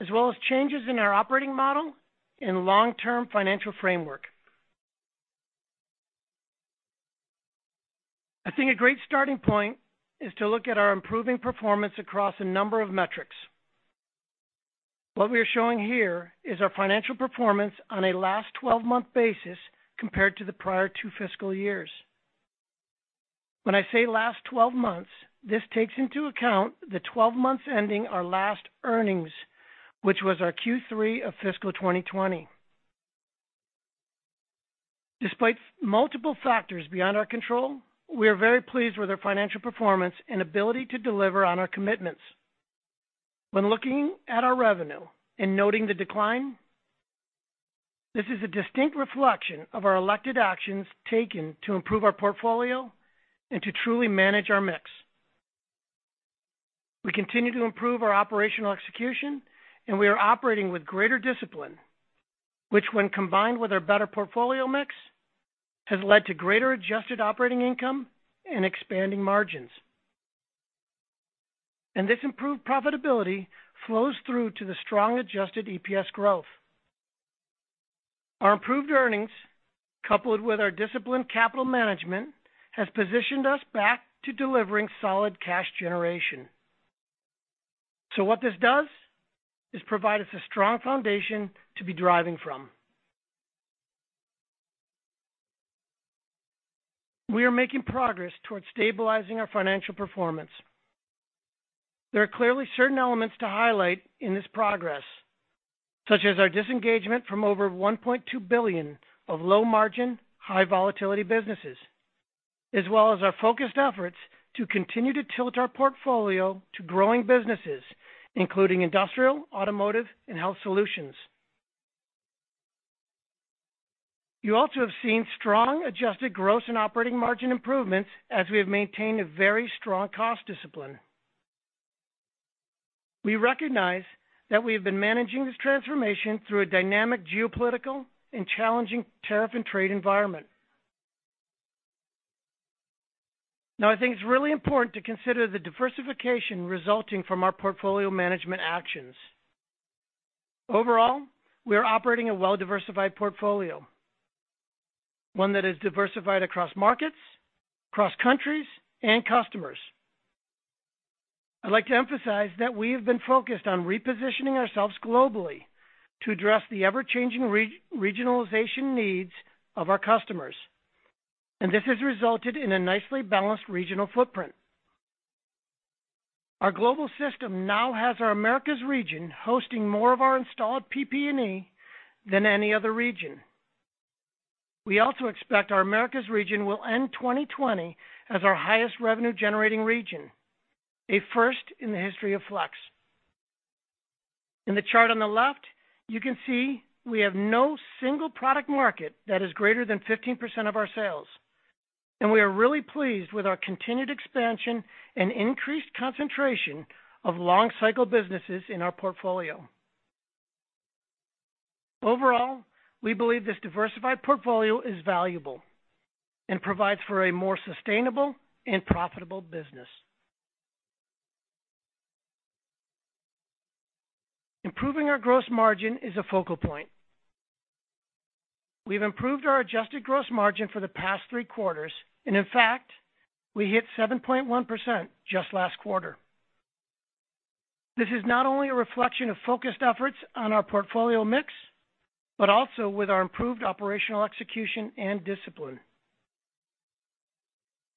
as well as changes in our operating model and long-term financial framework. I think a great starting point is to look at our improving performance across a number of metrics. What we are showing here is our financial performance on a last 12-month basis compared to the prior two fiscal years. When I say last 12 months, this takes into account the 12 months ending our last earnings, which was our Q3 of fiscal 2020. Despite multiple factors beyond our control, we are very pleased with our financial performance and ability to deliver on our commitments. When looking at our revenue and noting the decline, this is a distinct reflection of our elected actions taken to improve our portfolio and to truly manage our mix. We continue to improve our operational execution, and we are operating with greater discipline, which when combined with our better portfolio mix has led to greater adjusted operating income and expanding margins. This improved profitability flows through to the strong adjusted EPS growth. Our improved earnings, coupled with our disciplined capital management, has positioned us back to delivering solid cash generation. What this does is provide us a strong foundation to be driving from. We are making progress towards stabilizing our financial performance. There are clearly certain elements to highlight in this progress, such as our disengagement from over $1.2 billion of low-margin, high-volatility businesses, as well as our focused efforts to continue to tilt our portfolio to growing businesses, including Industrial, Automotive, Health Solutions. you also have seen strong adjusted growth and operating margin improvements as we have maintained a very strong cost discipline. We recognize that we have been managing this transformation through a dynamic geopolitical and challenging tariff and trade environment. Now, I think it's really important to consider the diversification resulting from our portfolio management actions. Overall, we are operating a well-diversified portfolio, one that is diversified across markets, across countries, and customers. I'd like to emphasize that we have been focused on repositioning ourselves globally to address the ever-changing regionalization needs of our customers. And this has resulted in a nicely balanced regional footprint. Our global system now has our Americas region hosting more of our installed PP&E than any other region. We also expect our Americas region will end 2020 as our highest revenue-generating region, a first in the history of Flex. In the chart on the left, you can see we have no single product market that is greater than 15% of our sales. And we are really pleased with our continued expansion and increased concentration of long-cycle businesses in our portfolio. Overall, we believe this diversified portfolio is valuable and provides for a more sustainable and profitable business. Improving our gross margin is a focal point. We've improved our adjusted gross margin for the past three quarters. And in fact, we hit 7.1% just last quarter. This is not only a reflection of focused efforts on our portfolio mix, but also with our improved operational execution and discipline.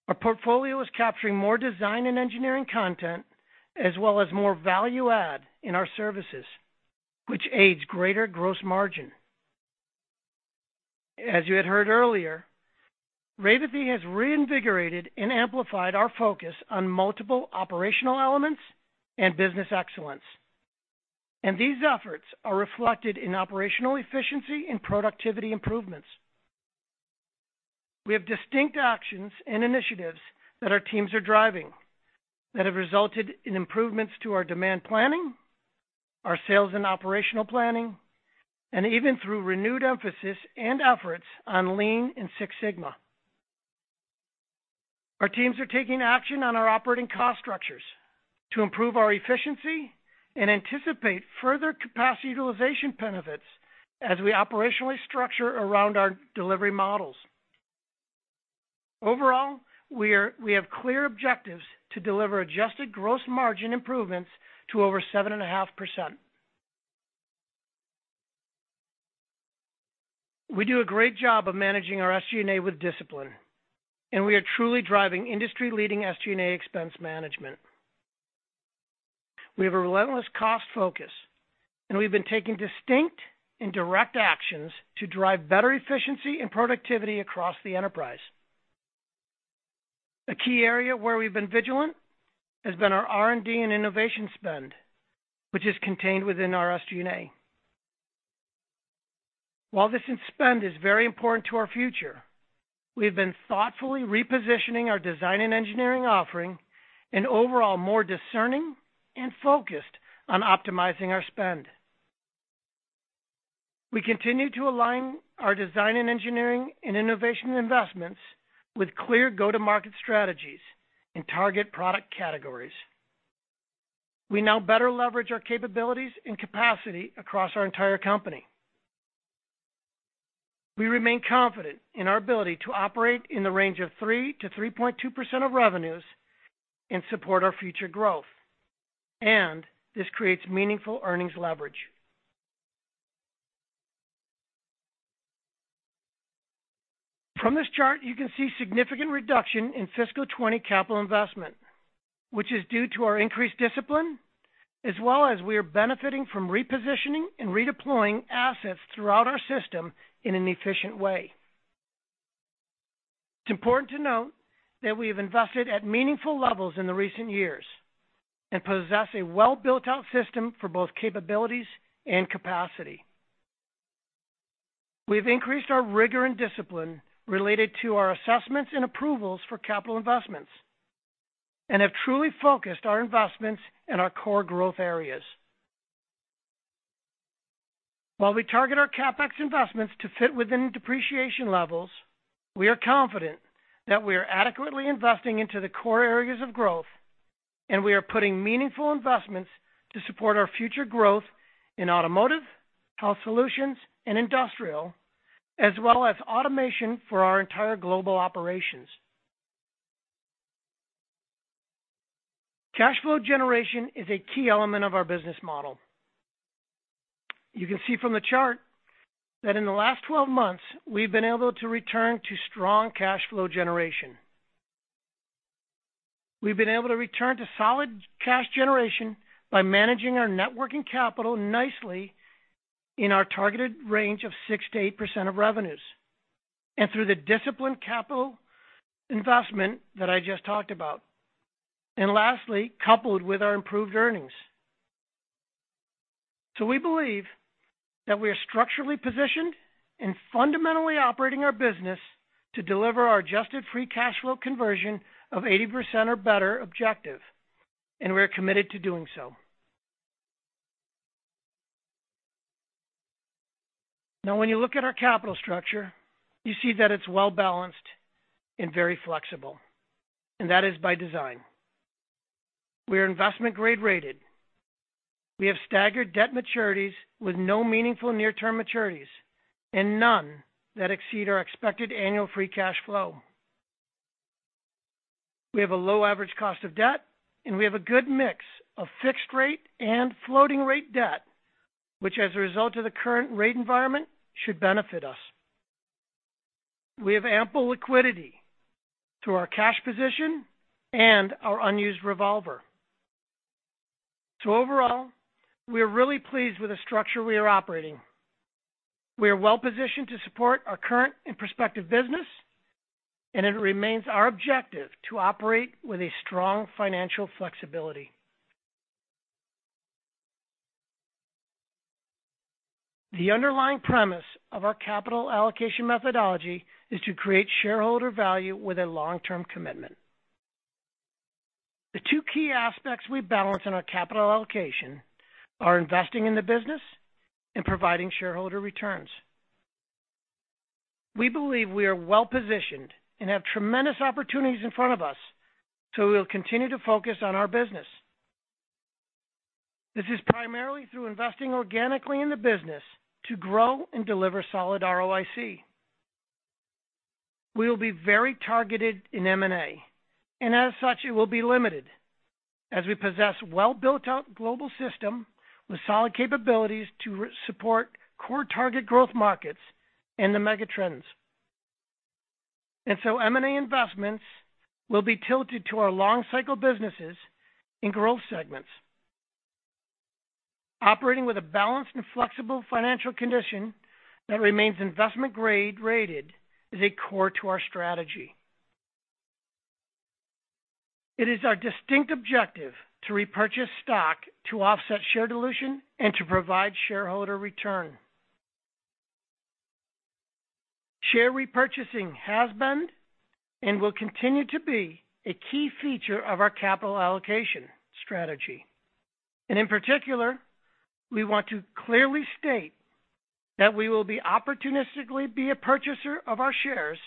Our portfolio is capturing more design and engineering content, as well as more value-add in our services, which aids greater gross margin. As you had heard earlier, Revathi has reinvigorated and amplified our focus on multiple operational elements and business excellence. And these efforts are reflected in operational efficiency and productivity improvements. We have distinct actions and initiatives that our teams are driving that have resulted in improvements to our demand planning, our sales and operational planning, and even through renewed emphasis and efforts on Lean and Six Sigma. Our teams are taking action on our operating cost structures to improve our efficiency and anticipate further capacity utilization benefits as we operationally structure around our delivery models. Overall, we have clear objectives to deliver adjusted gross margin improvements to over 7.5%. We do a great job of managing our SG&A with discipline, and we are truly driving industry-leading SG&A expense management. We have a relentless cost focus, and we've been taking distinct and direct actions to drive better efficiency and productivity across the enterprise. A key area where we've been vigilant has been our R&D and innovation spend, which is contained within our SG&A. While this spend is very important to our future, we have been thoughtfully repositioning our design and engineering offering and overall more discerning and focused on optimizing our spend. We continue to align our design and engineering and innovation investments with clear go-to-market strategies and target product categories. We now better leverage our capabilities and capacity across our entire company. We remain confident in our ability to operate in the range of 3-3.2% of revenues and support our future growth, and this creates meaningful earnings leverage. From this chart, you can see significant reduction in fiscal 2020 capital investment, which is due to our increased discipline, as well as we are benefiting from repositioning and redeploying assets throughout our system in an efficient way. It's important to note that we have invested at meaningful levels in the recent years and possess a well-built-out system for both capabilities and capacity. We have increased our rigor and discipline related to our assessments and approvals for capital investments and have truly focused our investments and our core growth areas. While we target our CapEx investments to fit within depreciation levels, we are confident that we are adequately investing into the core areas of growth, and we are putting meaningful investments to support our future growth in Automotive, Health Solutions, and Industrial, as well as automation for our entire global operations. Cash flow generation is a key element of our business model. You can see from the chart that in the last 12 months, we've been able to return to strong cash flow generation. We've been able to return to solid cash generation by managing our net working capital nicely in our targeted range of 6%-8% of revenues and through the disciplined capital investment that I just talked about. And lastly, coupled with our improved earnings. So we believe that we are structurally positioned and fundamentally operating our business to deliver our adjusted free cash flow conversion of 80% or better objective. And we're committed to doing so. Now, when you look at our capital structure, you see that it's well-balanced and very flexible. And that is by design. We are investment-grade rated. We have staggered debt maturities with no meaningful near-term maturities and none that exceed our expected annual free cash flow. We have a low average cost of debt, and we have a good mix of fixed-rate and floating-rate debt, which as a result of the current rate environment should benefit us. We have ample liquidity through our cash position and our unused revolver. So overall, we are really pleased with the structure we are operating. We are well-positioned to support our current and prospective business, and it remains our objective to operate with a strong financial flexibility. The underlying premise of our capital allocation methodology is to create shareholder value with a long-term commitment. The two key aspects we balance in our capital allocation are investing in the business and providing shareholder returns. We believe we are well-positioned and have tremendous opportunities in front of us, so we will continue to focus on our business. This is primarily through investing organically in the business to grow and deliver solid ROIC. We will be very targeted in M&A, and as such, it will be limited as we possess a well-built-out global system with solid capabilities to support core target growth markets and the megatrends. And so M&A investments will be tilted to our long-cycle businesses and growth segments. Operating with a balanced and flexible financial condition that remains investment-grade rated is a core to our strategy. It is our distinct objective to repurchase stock to offset share dilution and to provide shareholder return. Share repurchasing has been and will continue to be a key feature of our capital allocation strategy. And in particular, we want to clearly state that we will opportunistically be a purchaser of our shares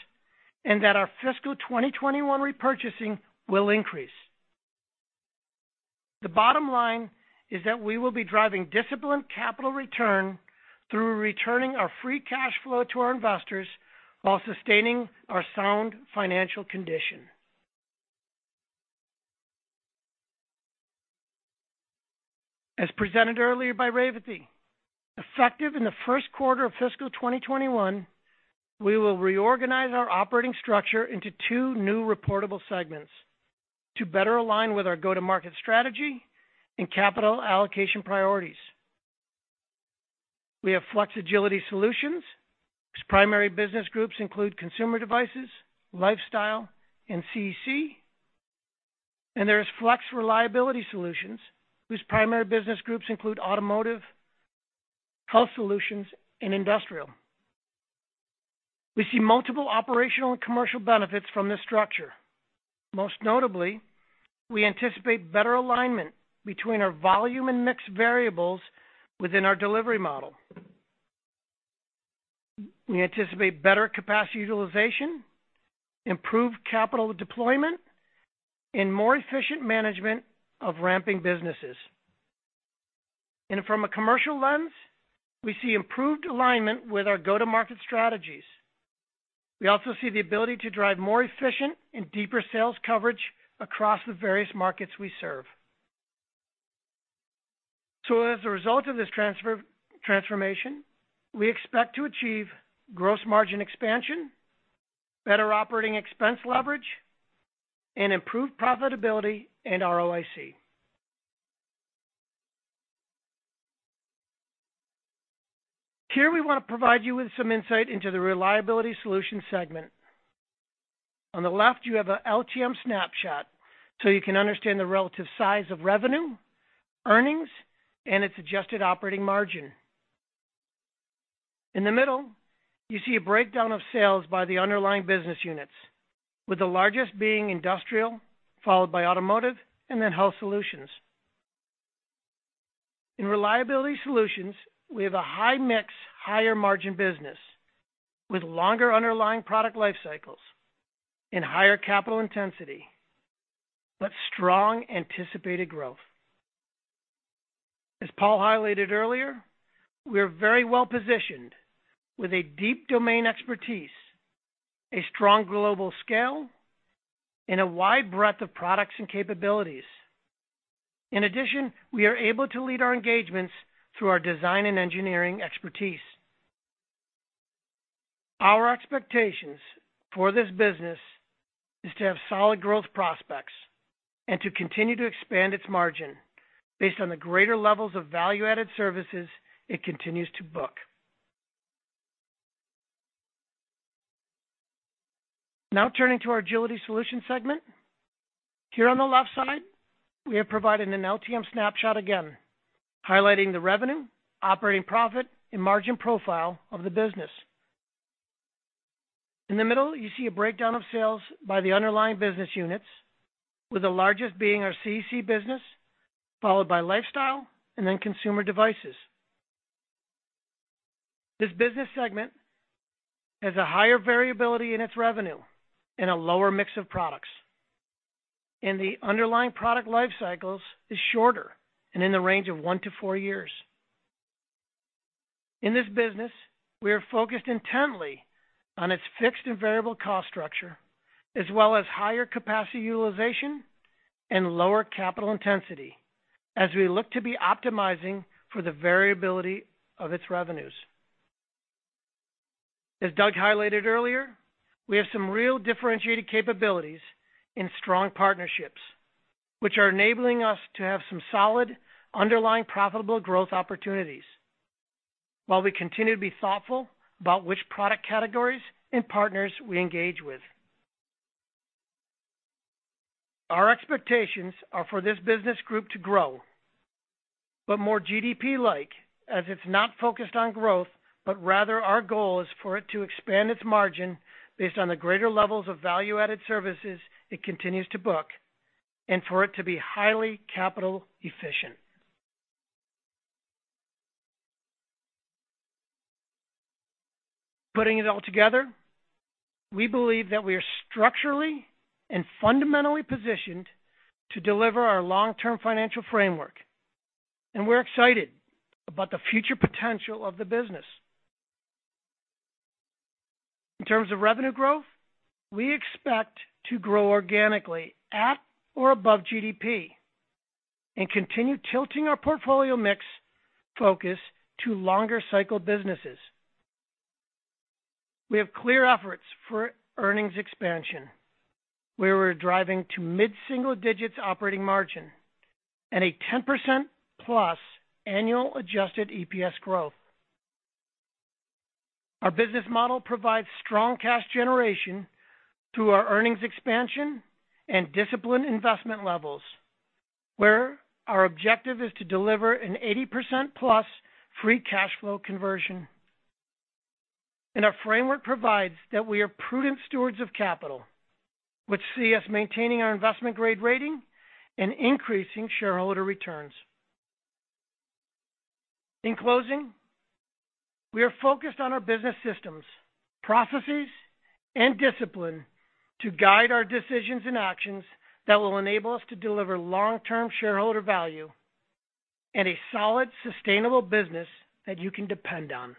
and that our fiscal 2021 repurchasing will increase. The bottom line is that we will be driving disciplined capital return through returning our free cash flow to our investors while sustaining our sound financial condition. As presented earlier by Revathi, effective in the first quarter of fiscal 2021, we will reorganize our operating structure into two new reportable segments to better align with our go-to-market strategy and capital allocation priorities. We have Flex Agility Solutions, whose primary business groups include Consumer Devices, Lifestyle, and CEC, and there is Flex Reliability Solutions, whose primary business groups include Automotive, Health Solutions, and Industrial. We see multiple operational and commercial benefits from this structure. Most notably, we anticipate better alignment between our volume and mix variables within our delivery model. We anticipate better capacity utilization, improved capital deployment, and more efficient management of ramping businesses, and from a commercial lens, we see improved alignment with our go-to-market strategies. We also see the ability to drive more efficient and deeper sales coverage across the various markets we serve, so as a result of this transformation, we expect to achieve gross margin expansion, better operating expense leverage, and improved profitability and ROIC. Here, we want to provide you with some insight into the Reliability Solutions segment. On the left, you have an LTM snapshot, so you can understand the relative size of revenue, earnings, and its adjusted operating margin. In the middle, you see a breakdown of sales by the underlying business units, with the largest being Industrial, followed by Automotive, and Health Solutions. in Reliability Solutions, we have a high-mix, higher-margin business with longer underlying product life cycles and higher capital intensity, but strong anticipated growth. As Paul highlighted earlier, we are very well-positioned with a deep domain expertise, a strong global scale, and a wide breadth of products and capabilities. In addition, we are able to lead our engagements through our design and engineering expertise. Our expectations for this business are to have solid growth prospects and to continue to expand its margin based on the greater levels of value-added services it continues to book. Now, turning to our Agility Solutions segment, here on the left side, we have provided an LTM snapshot again, highlighting the revenue, operating profit, and margin profile of the business. In the middle, you see a breakdown of sales by the underlying business units, with the largest being our CEC business, followed by Lifestyle, and then Consumer Devices. This business segment has a higher variability in its revenue and a lower mix of products. And the underlying product life cycles are shorter and in the range of one to four years. In this business, we are focused intently on its fixed and variable cost structure, as well as higher capacity utilization and lower capital intensity as we look to be optimizing for the variability of its revenues. As Doug highlighted earlier, we have some real differentiated capabilities and strong partnerships, which are enabling us to have some solid underlying profitable growth opportunities while we continue to be thoughtful about which product categories and partners we engage with. Our expectations are for this business group to grow, but more GDP-like, as it's not focused on growth, but rather our goal is for it to expand its margin based on the greater levels of value-added services it continues to book and for it to be highly capital efficient. Putting it all together, we believe that we are structurally and fundamentally positioned to deliver our long-term financial framework. And we're excited about the future potential of the business. In terms of revenue growth, we expect to grow organically at or above GDP and continue tilting our portfolio mix focus to longer cycle businesses. We have clear efforts for earnings expansion, where we're driving to mid-single digits operating margin and a 10%+ annual adjusted EPS growth. Our business model provides strong cash generation through our earnings expansion and disciplined investment levels, where our objective is to deliver an 80%+ free cash flow conversion. And our framework provides that we are prudent stewards of capital, which sees us maintaining our investment-grade rating and increasing shareholder returns. In closing, we are focused on our business systems, processes, and discipline to guide our decisions and actions that will enable us to deliver long-term shareholder value and a solid, sustainable business that you can depend on.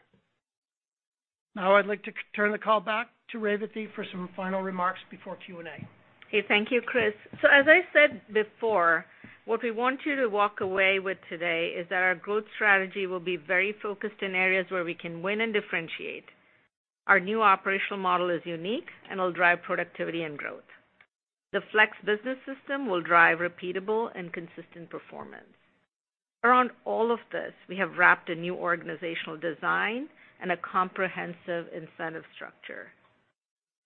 Now, I'd like to turn the call back to Revathi for some final remarks before Q&A. Hey, thank you, Chris. So as I said before, what we want you to walk away with today is that our growth strategy will be very focused in areas where we can win and differentiate. Our new operational model is unique and will drive productivity and growth. The Flex Business System will drive repeatable and consistent performance. Around all of this, we have wrapped a new organizational design and a comprehensive incentive structure.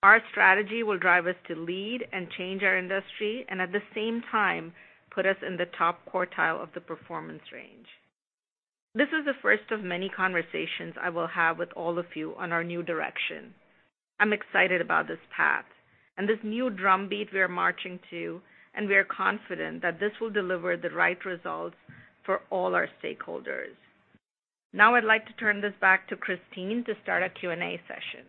Our strategy will drive us to lead and change our industry and at the same time put us in the top quartile of the performance range. This is the first of many conversations I will have with all of you on our new direction. I'm excited about this path and this new drumbeat we are marching to, and we are confident that this will deliver the right results for all our stakeholders. Now, I'd like to turn this back to Christine to start a Q&A session.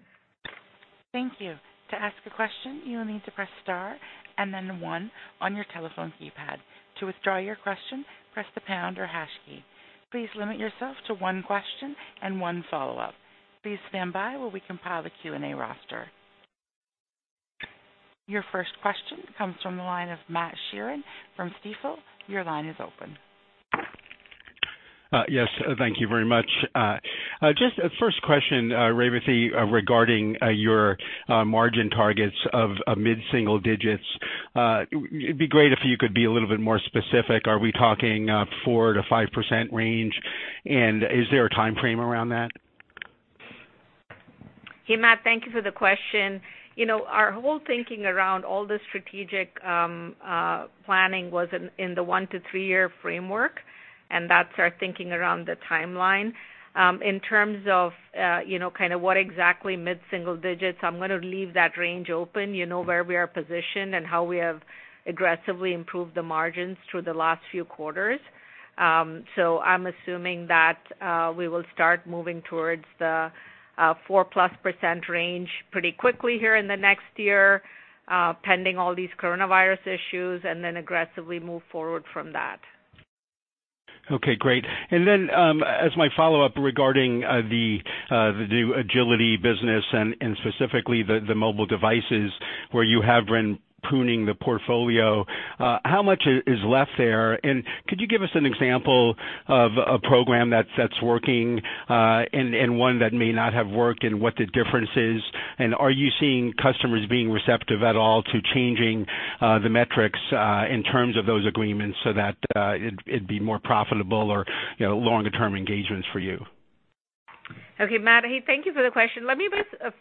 Thank you. To ask a question, you will need to press star and then one on your telephone keypad. To withdraw your question, press the pound or hash key. Please limit yourself to one question and one follow-up. Please stand by while we compile the Q&A roster. Your first question comes from the line of Matt Sheerin from Stifel. Your line is open. Yes, thank you very much. Just a first question, Revathi, regarding your margin targets of mid-single digits. It'd be great if you could be a little bit more specific. Are we talking 4%-5% range, and is there a time frame around that? Hey, Matt, thank you for the question. Our whole thinking around all the strategic planning was in the one- to three-year framework, and that's our thinking around the timeline. In terms of kind of what exactly mid-single digits, I'm going to leave that range open, where we are positioned and how we have aggressively improved the margins through the last few quarters. So I'm assuming that we will start moving towards the 4%+ range pretty quickly here in the next year, pending all these Coronavirus issues, and then aggressively move forward from that. Okay, great. And then, as my follow-up regarding the new Agility business and specifically the mobile devices where you have been pruning the portfolio, how much is left there? And could you give us an example of a program that's working and one that may not have worked and what the difference is? And are you seeing customers being receptive at all to changing the metrics in terms of those agreements so that it'd be more profitable or longer-term engagements for you? Okay, Matt, hey, thank you for the question. Let me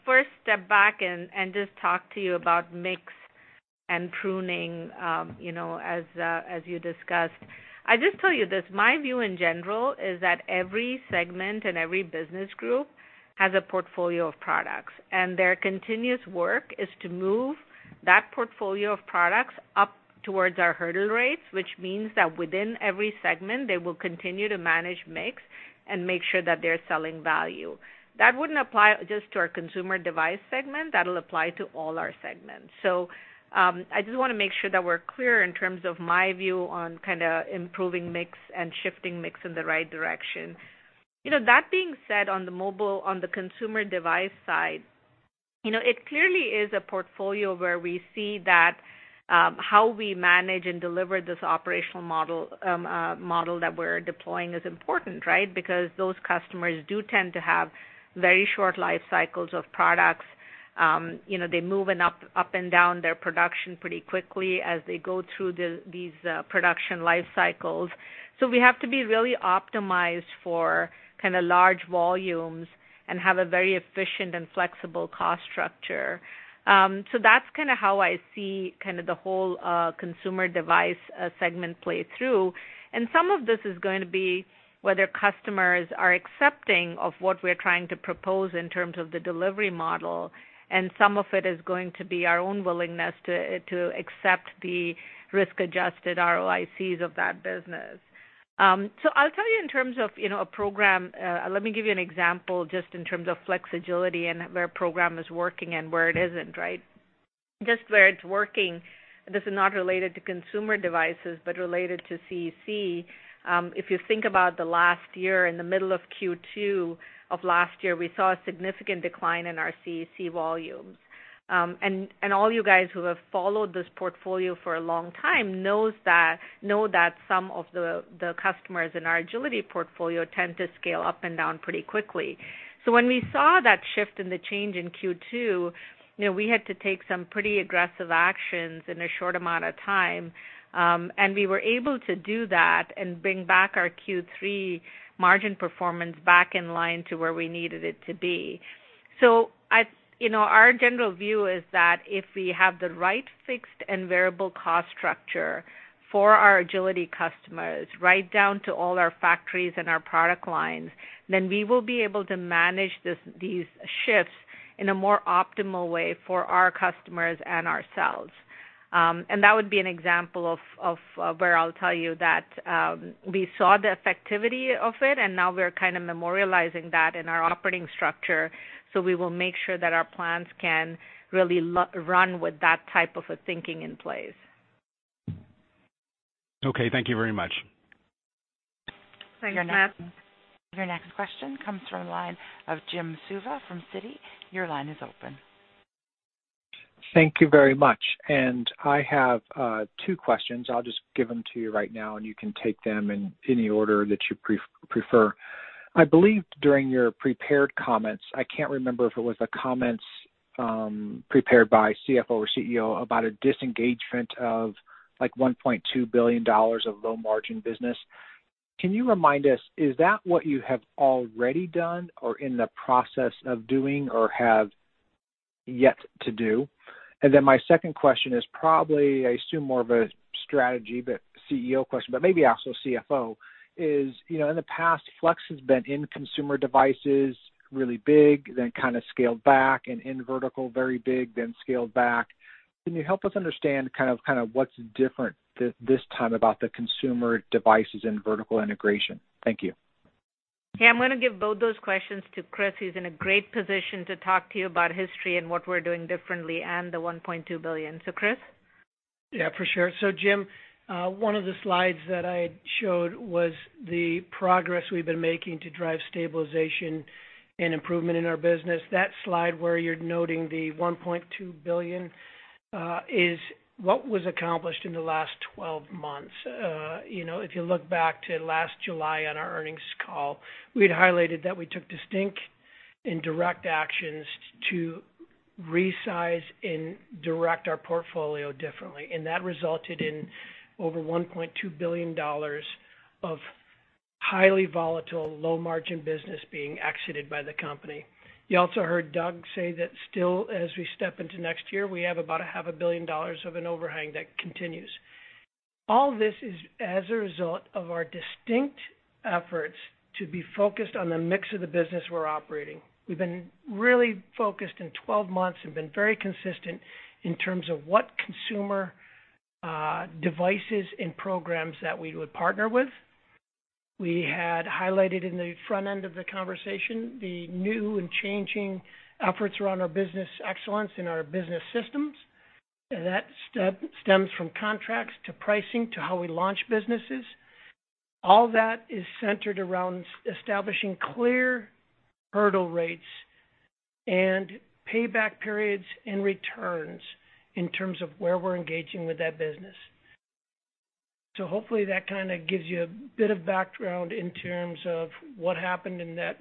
first step back and just talk to you about mix and pruning as you discussed. I just tell you this. My view in general is that every segment and every business group has a portfolio of products, and their continuous work is to move that portfolio of products up towards our hurdle rates, which means that within every segment, they will continue to manage mix and make sure that they're selling value. That wouldn't apply just to our consumer device segment. That'll apply to all our segments. So I just want to make sure that we're clear in terms of my view on kind of improving mix and shifting mix in the right direction. That being said, on the consumer device side, it clearly is a portfolio where we see that how we manage and deliver this operational model that we're deploying is important, right? Because those customers do tend to have very short life cycles of products. They move up and down their production pretty quickly as they go through these production life cycles. So we have to be really optimized for kind of large volumes and have a very efficient and flexible cost structure. So that's kind of how I see kind of the whole consumer device segment play through. And some of this is going to be whether customers are accepting of what we're trying to propose in terms of the delivery model, and some of it is going to be our own willingness to accept the risk-adjusted ROICs of that business. So I'll tell you in terms of a program, let me give you an example just in terms of Flex Agility and where a program is working and where it isn't, right? Just where it's working, this is not related to Consumer Devices, but related to CEC. If you think about the last year, in the middle of Q2 of last year, we saw a significant decline in our CEC volumes, and all you guys who have followed this portfolio for a long time know that some of the customers in our Agility portfolio tend to scale up and down pretty quickly, so when we saw that shift in the change in Q2, we had to take some pretty aggressive actions in a short amount of time, and we were able to do that and bring back our Q3 margin performance back in line to where we needed it to be. So our general view is that if we have the right fixed and variable cost structure for our Agility customers, right down to all our factories and our product lines, then we will be able to manage these shifts in a more optimal way for our customers and ourselves. And that would be an example of where I'll tell you that we saw the effectivity of it, and now we're kind of memorializing that in our operating structure. So we will make sure that our plans can really run with that type of a thinking in place. Okay, thank you very much. Thank you, Matt. Your next question comes from the line of Jim Suva from Citi. Your line is open. Thank you very much. And I have two questions. I'll just give them to you right now, and you can take them in any order that you prefer. I believe during your prepared comments, I can't remember if it was the comments prepared by CFO or CEO about a disengagement of $1.2 billion of low-margin business. Can you remind us, is that what you have already done or in the process of doing or have yet to do? And then my second question is probably, I assume, more of a strategy, but CEO question, but maybe also CFO, is in the past, Flex has been in Consumer Devices really big, then kind of scaled back, and in vertical very big, then scaled back. Can you help us understand kind of what's different this time about the Consumer Devices in vertical integration? Thank you. Hey, I'm going to give both those questions to Chris. He's in a great position to talk to you about history and what we're doing differently and the $1.2 billion. So, Chris? Yeah, for sure. Jim, one of the slides that I showed was the progress we've been making to drive stabilization and improvement in our business. That slide where you're noting the $1.2 billion is what was accomplished in the last 12 months. If you look back to last July on our earnings call, we had highlighted that we took distinct and direct actions to resize and direct our portfolio differently. And that resulted in over $1.2 billion of highly volatile, low-margin business being exited by the company. You also heard Doug say that still, as we step into next year, we have about $500 million of an overhang that continues. All this is as a result of our distinct efforts to be focused on the mix of the business we're operating. We've been really focused in 12 months and been very consistent in terms of what Consumer Devices and programs that we would partner with. We had highlighted in the front end of the conversation the new and changing efforts around our business excellence and our business systems, and that stems from contracts to pricing to how we launch businesses. All that is centered around establishing clear hurdle rates and payback periods and returns in terms of where we're engaging with that business. So hopefully, that kind of gives you a bit of background in terms of what happened in that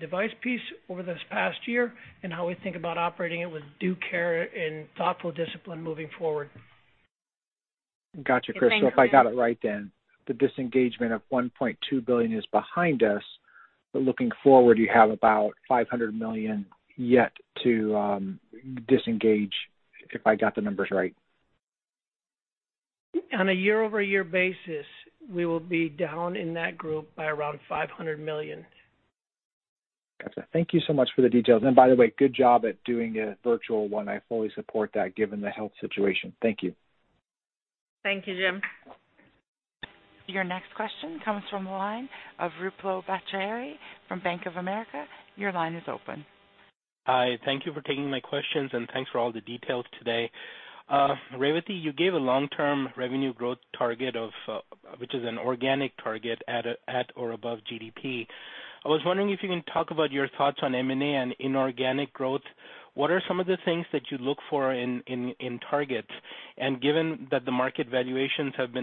device piece over this past year and how we think about operating it with due care and thoughtful discipline moving forward. Gotcha, Chris. So if I got it right, then the disengagement of $1.2 billion is behind us, but looking forward, you have about $500 million yet to disengage, if I got the numbers right. On a year-over-year basis, we will be down in that group by around $500 million. Gotcha. Thank you so much for the details. And by the way, good job at doing a virtual one. I fully support that given the health situation. Thank you. Thank you, Jim. Your next question comes from the line of Ruplu Bhattacharya from Bank of America. Your line is open. Hi. Thank you for taking my questions, and thanks for all the details today. Revathi, you gave a long-term revenue growth target, which is an organic target at or above GDP. I was wondering if you can talk about your thoughts on M&A and inorganic growth. What are some of the things that you look for in targets? And given that the market valuations have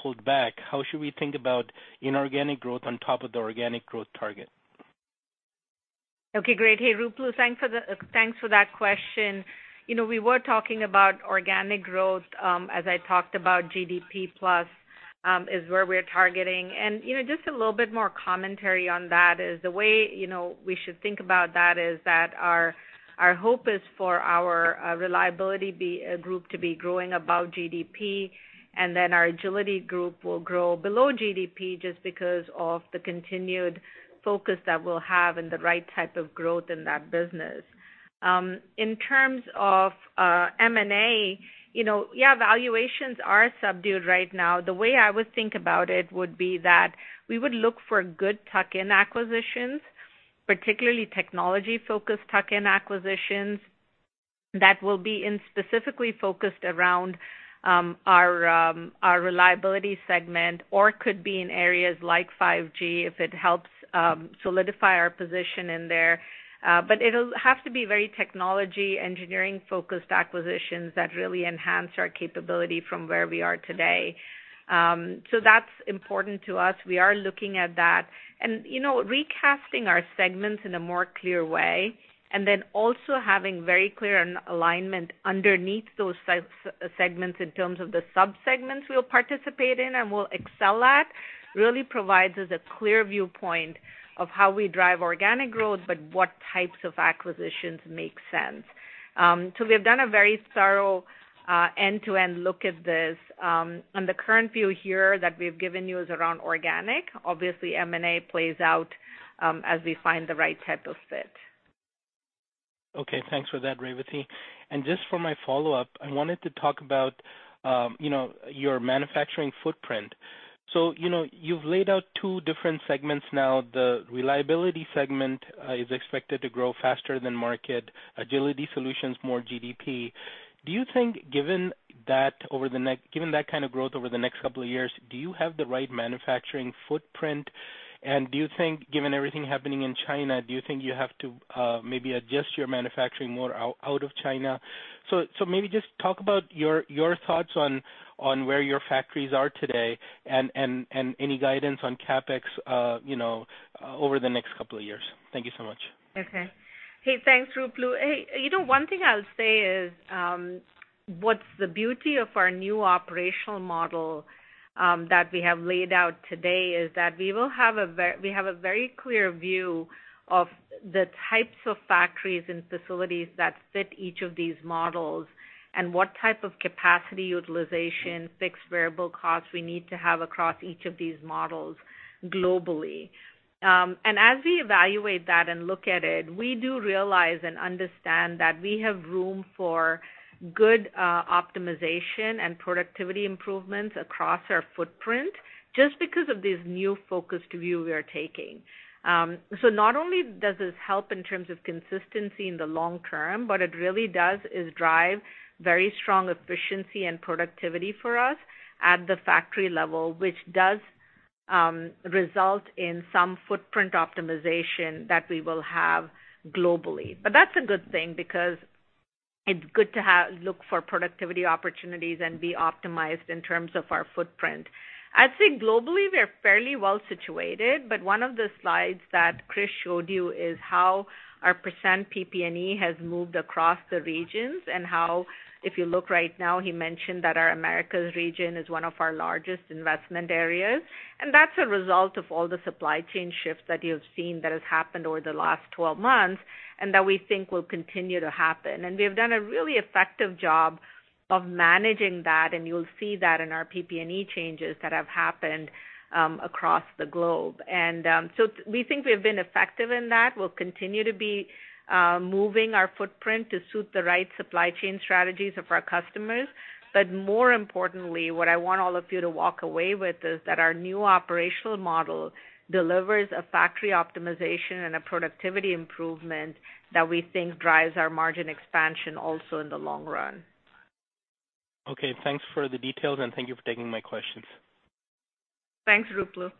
pulled back, how should we think about inorganic growth on top of the organic growth target? Okay, great. Hey, Ruplu, thanks for that question. We were talking about organic growth, as I talked about, GDP plus is where we're targeting. And just a little bit more commentary on that is the way we should think about that is that our hope is for our Reliability group to be growing above GDP, and then our Agility group will grow below GDP just because of the continued focus that we'll have in the right type of growth in that business. In terms of M&A, yeah, valuations are subdued right now. The way I would think about it would be that we would look for good tuck-in acquisitions, particularly technology-focused tuck-in acquisitions that will be specifically focused around our Reliability segment or could be in areas like 5G if it helps solidify our position in there, but it'll have to be very technology engineering-focused acquisitions that really enhance our capability from where we are today, so that's important to us. We are looking at that, and recasting our segments in a more clear way and then also having very clear alignment underneath those segments in terms of the subsegments we'll participate in and we'll excel at really provides us a clear viewpoint of how we drive organic growth, but what types of acquisitions make sense, so we have done a very thorough end-to-end look at this, and the current view here that we've given you is around organic. Obviously, M&A plays out as we find the right type of fit. Okay, thanks for that, Revathi. And just for my follow-up, I wanted to talk about your manufacturing footprint. So you've laid out two different segments now. The Reliability segment is expected to grow faster than market. Agility solutions, more GDP. Do you think, given that over the next given that kind of growth over the next couple of years, do you have the right manufacturing footprint? And do you think, given everything happening in China, do you think you have to maybe adjust your manufacturing more out of China? So maybe just talk about your thoughts on where your factories are today and any guidance on CapEx over the next couple of years. Thank you so much. Okay. Hey, thanks, Ruplu. Hey, one thing I'll say is what's the beauty of our new operational model that we have laid out today is that we will have a very clear view of the types of factories and facilities that fit each of these models and what type of capacity utilization, fixed variable costs we need to have across each of these models globally. And as we evaluate that and look at it, we do realize and understand that we have room for good optimization and productivity improvements across our footprint just because of this new focused view we are taking. So not only does this help in terms of consistency in the long term, but it really does drive very strong efficiency and productivity for us at the factory level, which does result in some footprint optimization that we will have globally. But that's a good thing because it's good to look for productivity opportunities and be optimized in terms of our footprint. I'd say globally, we're fairly well situated, but one of the slides that Chris showed you is how our percent PP&E has moved across the regions and how, if you look right now, he mentioned that our Americas region is one of our largest investment areas. And that's a result of all the supply chain shifts that you have seen that has happened over the last 12 months and that we think will continue to happen. And we have done a really effective job of managing that, and you'll see that in our PP&E changes that have happened across the globe. And so we think we have been effective in that. We'll continue to be moving our footprint to suit the right supply chain strategies of our customers. But more importantly, what I want all of you to walk away with is that our new operational model delivers a factory optimization and a productivity improvement that we think drives our margin expansion also in the long run. Okay, thanks for the details, and thank you for taking my questions. Thanks, Ruplu.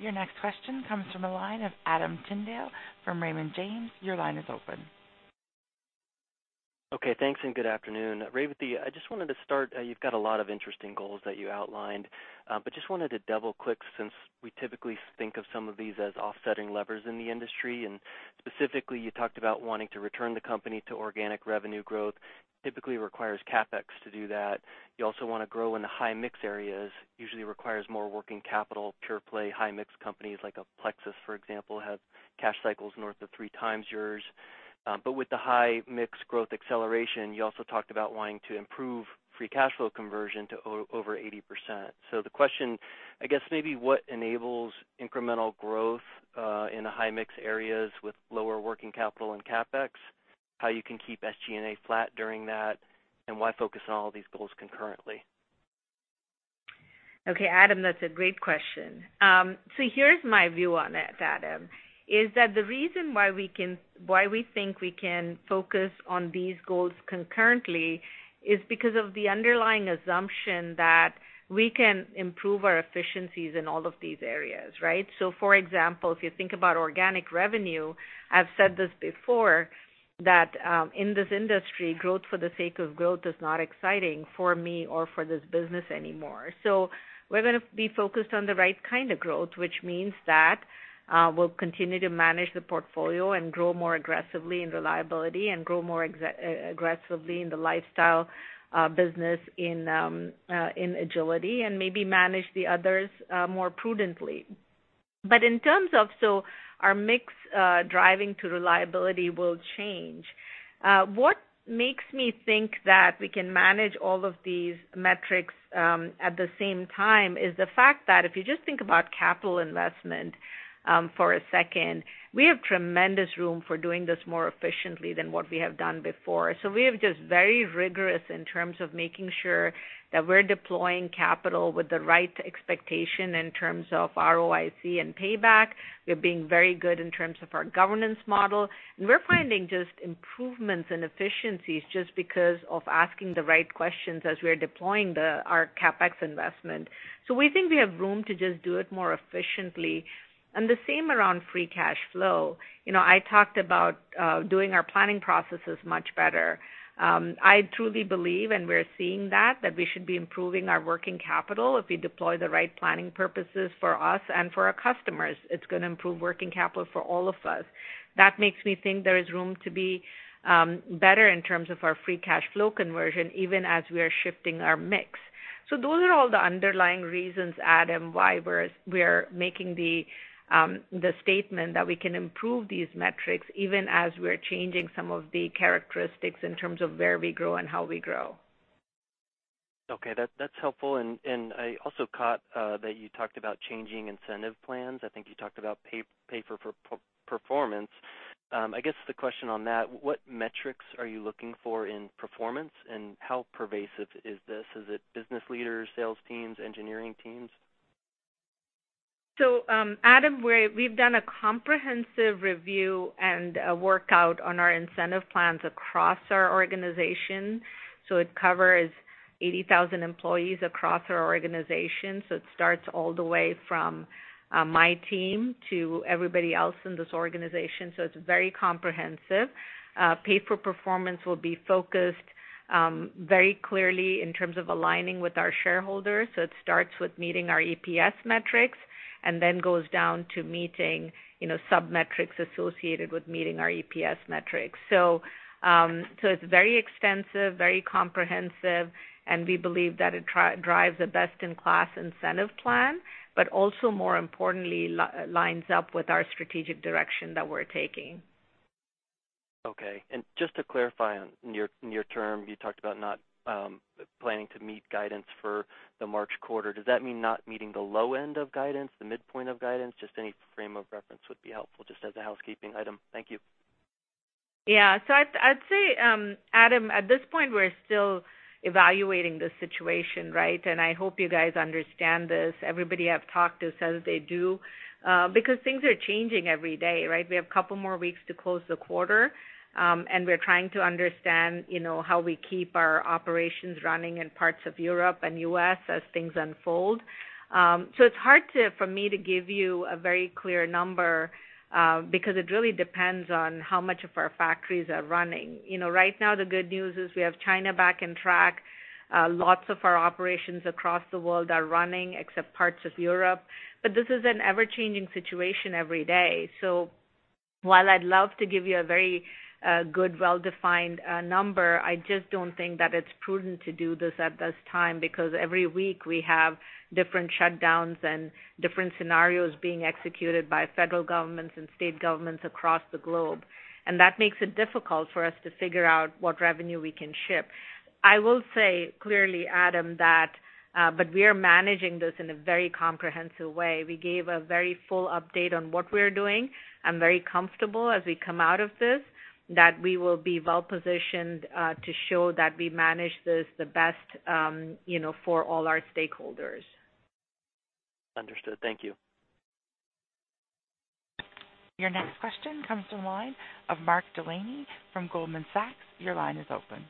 Your next question comes from a line of Adam Tindle from Raymond James. Your line is open. Okay, thanks, and good afternoon. Revathi, I just wanted to start. You've got a lot of interesting goals that you outlined, but just wanted to double-click since we typically think of some of these as offsetting levers in the industry. And specifically, you talked about wanting to return the company to organic revenue growth. Typically, it requires CapEx to do that. You also want to grow in the high mix areas. Usually, it requires more working capital. Pure-play high mix companies like Plexus, for example, have cash cycles north of three times yours. But with the high mix growth acceleration, you also talked about wanting to improve free cash flow conversion to over 80%. So the question, I guess, maybe what enables incremental growth in the high mix areas with lower working capital and CapEx, how you can keep SG&A flat during that, and why focus on all these goals concurrently? Okay, Adam, that's a great question. So here's my view on it, Adam, is that the reason why we think we can focus on these goals concurrently is because of the underlying assumption that we can improve our efficiencies in all of these areas, right? So for example, if you think about organic revenue, I've said this before, that in this industry, growth for the sake of growth is not exciting for me or for this business anymore. So we're going to be focused on the right kind of growth, which means that we'll continue to manage the portfolio and grow more aggressively in Reliability and grow more aggressively in the Lifestyle business in Agility and maybe manage the others more prudently. But in terms of, so our mix driving to Reliability will change. What makes me think that we can manage all of these metrics at the same time is the fact that if you just think about capital investment for a second, we have tremendous room for doing this more efficiently than what we have done before. So we have just been very rigorous in terms of making sure that we're deploying capital with the right expectation in terms of ROIC and payback. We're being very good in terms of our governance model. And we're finding just improvements and efficiencies just because of asking the right questions as we're deploying our CapEx investment. So we think we have room to just do it more efficiently. And the same around free cash flow. I talked about doing our planning processes much better. I truly believe, and we're seeing that, that we should be improving our working capital if we deploy the right planning purposes for us and for our customers. It's going to improve working capital for all of us. That makes me think there is room to be better in terms of our free cash flow conversion even as we are shifting our mix. Those are all the underlying reasons, Adam, why we're making the statement that we can improve these metrics even as we're changing some of the characteristics in terms of where we grow and how we grow. Okay, that's helpful, and I also caught that you talked about changing incentive plans. I think you talked about pay for performance. I guess the question on that, what metrics are you looking for in performance, and how pervasive is this? Is it business leaders, sales teams, engineering teams? Adam, we've done a comprehensive review and a workout on our incentive plans across our organization. It covers 80,000 employees across our organization. It starts all the way from my team to everybody else in this organization, so it's very comprehensive. Pay for performance will be focused very clearly in terms of aligning with our shareholders. So it starts with meeting our EPS metrics and then goes down to meeting sub-metrics associated with meeting our EPS metrics. So it's very extensive, very comprehensive, and we believe that it drives a best-in-class incentive plan, but also more importantly, lines up with our strategic direction that we're taking. Okay. And just to clarify on your term, you talked about not planning to meet guidance for the March quarter. Does that mean not meeting the low end of guidance, the midpoint of guidance? Just any frame of reference would be helpful just as a housekeeping item. Thank you. Yeah. So I'd say, Adam, at this point, we're still evaluating the situation, right? And I hope you guys understand this. Everybody I've talked to says they do because things are changing every day, right? We have a couple more weeks to close the quarter, and we're trying to understand how we keep our operations running in parts of Europe and the U.S. as things unfold. So it's hard for me to give you a very clear number because it really depends on how much of our factories are running. Right now, the good news is we have China back on track. Lots of our operations across the world are running except parts of Europe. But this is an ever-changing situation every day. So while I'd love to give you a very good, well-defined number, I just don't think that it's prudent to do this at this time because every week we have different shutdowns and different scenarios being executed by federal governments and state governments across the globe. And that makes it difficult for us to figure out what revenue we can ship. I will say clearly, Adam, that we are managing this in a very comprehensive way. We gave a very full update on what we're doing. I'm very comfortable as we come out of this that we will be well-positioned to show that we manage this the best for all our stakeholders. Understood. Thank you. Your next question comes from line of Mark Delaney from Goldman Sachs. Your line is open.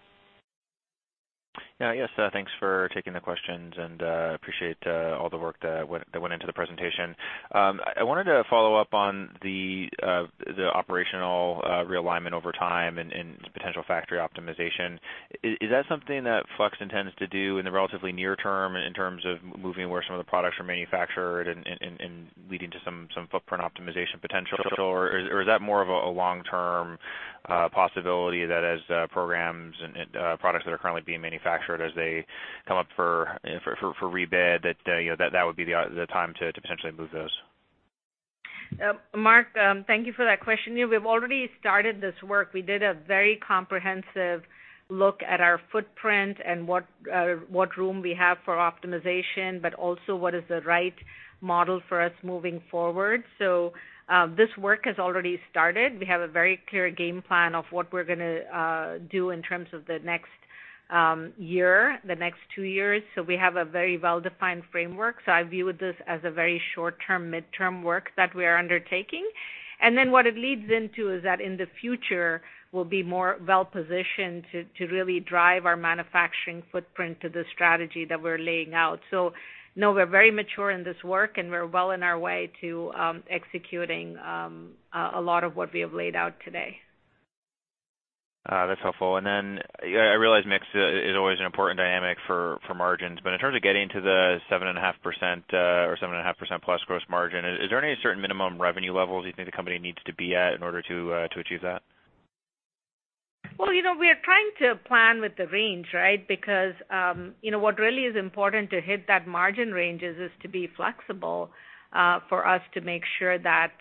Yeah. Yes, thanks for taking the questions and appreciate all the work that went into the presentation. I wanted to follow up on the operational realignment over time and potential factory optimization. Is that something that Flex intends to do in the relatively near term in terms of moving where some of the products are manufactured and leading to some footprint optimization potential, or is that more of a long-term possibility that as programs and products that are currently being manufactured as they come up for rebid, that that would be the time to potentially move those? Mark, thank you for that question. We've already started this work. We did a very comprehensive look at our footprint and what room we have for optimization, but also what is the right model for us moving forward. So this work has already started. We have a very clear game plan of what we're going to do in terms of the next year, the next two years. So we have a very well-defined framework. So I view this as a very short-term, midterm work that we are undertaking. And then what it leads into is that in the future, we'll be more well-positioned to really drive our manufacturing footprint to the strategy that we're laying out. So no, we're very mature in this work, and we're well on our way to executing a lot of what we have laid out today. That's helpful. And then I realize mix is always an important dynamic for margins, but in terms of getting to the 7.5% or 7.5%+ gross margin, is there any certain minimum revenue levels you think the company needs to be at in order to achieve that? Well, we are trying to plan with the range, right? Because what really is important to hit that margin range is to be flexible for us to make sure that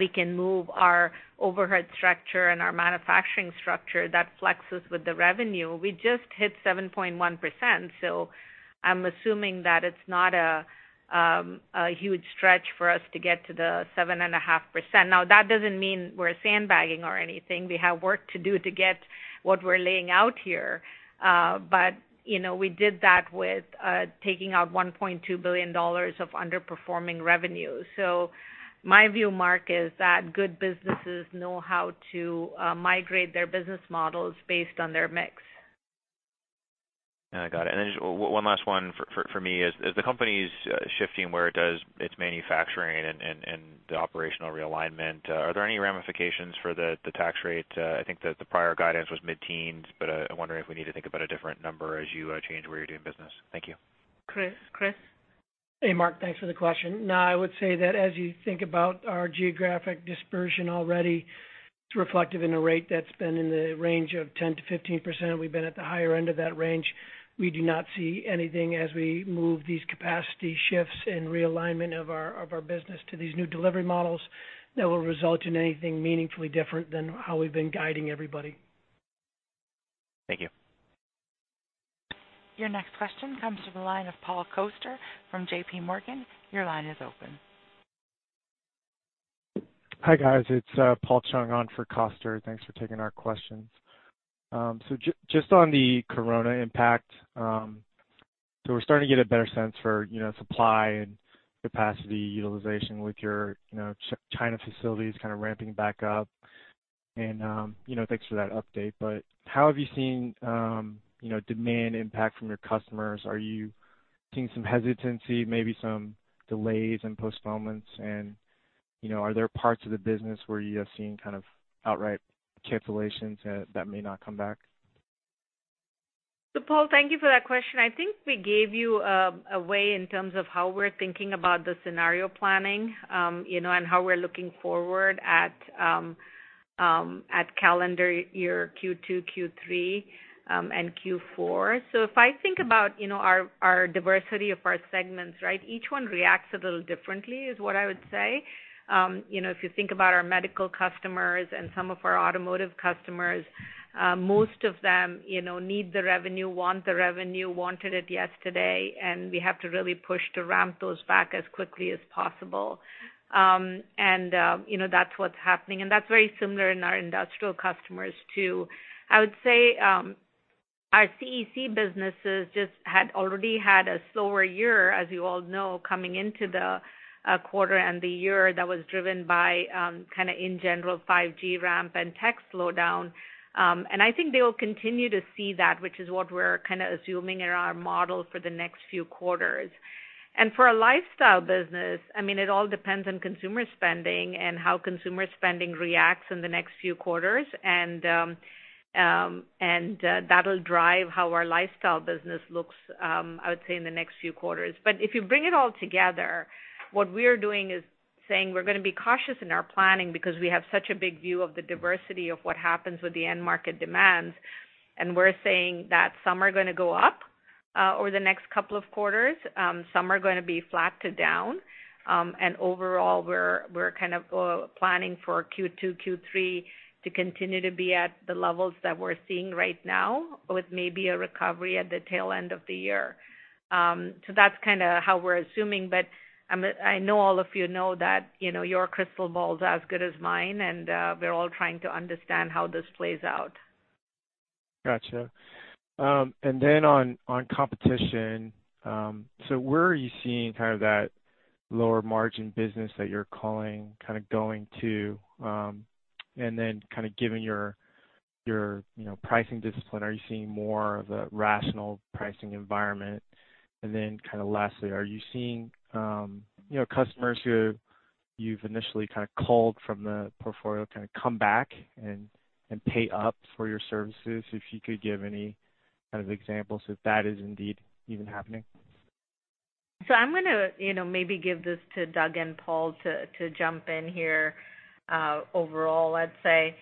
we can move our overhead structure and our manufacturing structure that flexes with the revenue. We just hit 7.1%, so I'm assuming that it's not a huge stretch for us to get to the 7.5%. Now, that doesn't mean we're sandbagging or anything. We have work to do to get what we're laying out here, but we did that with taking out $1.2 billion of underperforming revenue, so my view, Mark, is that good businesses know how to migrate their business models based on their mix. I got it, and then one last one for me is the company's shifting where it does its manufacturing and the operational realignment. Are there any ramifications for the tax rate? I think the prior guidance was mid-teens, but I'm wondering if we need to think about a different number as you change where you're doing business. Thank you. Chris. Hey, Mark, thanks for the question. No, I would say that as you think about our geographic dispersion already, it's reflective in a rate that's been in the range of 10%-15%. We've been at the higher end of that range. We do not see anything as we move these capacity shifts and realignment of our business to these new delivery models that will result in anything meaningfully different than how we've been guiding everybody. Thank you. Your next question comes from the line of Paul Coster from J.P. Morgan. Your line is open. Hi, guys. It's Paul Chung on for Coster. Thanks for taking our questions. Just on the Coronavirus impact, we're starting to get a better sense for supply and capacity utilization with your China facilities kind of ramping back up. And thanks for that update. But how have you seen demand impact from your customers? Are you seeing some hesitancy, maybe some delays and postponements? And are there parts of the business where you have seen kind of outright cancellations that may not come back? Paul, thank you for that question. I think we gave you a view in terms of how we're thinking about the scenario planning and how we're looking forward at calendar year Q2, Q3, and Q4. If I think about our diversity of our segments, right, each one reacts a little differently is what I would say. If you think about our medical customers and some of our Automotive customers, most of them need the revenue, want the revenue, wanted it yesterday, and we have to really push to ramp those back as quickly as possible, and that's what's happening, and that's very similar in our Industrial customers too. I would say our CEC businesses just had already had a slower year, as you all know, coming into the quarter and the year that was driven by kind of, in general, 5G ramp and tech slowdown, and I think they will continue to see that, which is what we're kind of assuming in our model for the next few quarters. And for a Lifestyle business, I mean, it all depends on consumer spending and how consumer spending reacts in the next few quarters. That'll drive how our Lifestyle business looks, I would say, in the next few quarters. If you bring it all together, what we're doing is saying we're going to be cautious in our planning because we have such a big view of the diversity of what happens with the end market demands. We're saying that some are going to go up over the next couple of quarters. Some are going to be flat to down. Overall, we're kind of planning for Q2, Q3 to continue to be at the levels that we're seeing right now with maybe a recovery at the tail end of the year. That's kind of how we're assuming. I know all of you know that your crystal ball is as good as mine, and we're all trying to understand how this plays out. Gotcha. And then on competition, so where are you seeing kind of that lower margin business that you're calling kind of going to? And then kind of given your pricing discipline, are you seeing more of a rational pricing environment? And then kind of lastly, are you seeing customers who you've initially kind of culled from the portfolio kind of come back and pay up for your services? If you could give any kind of examples if that is indeed even happening. So I'm going to maybe give this to Doug and Paul to jump in here overall, let's say.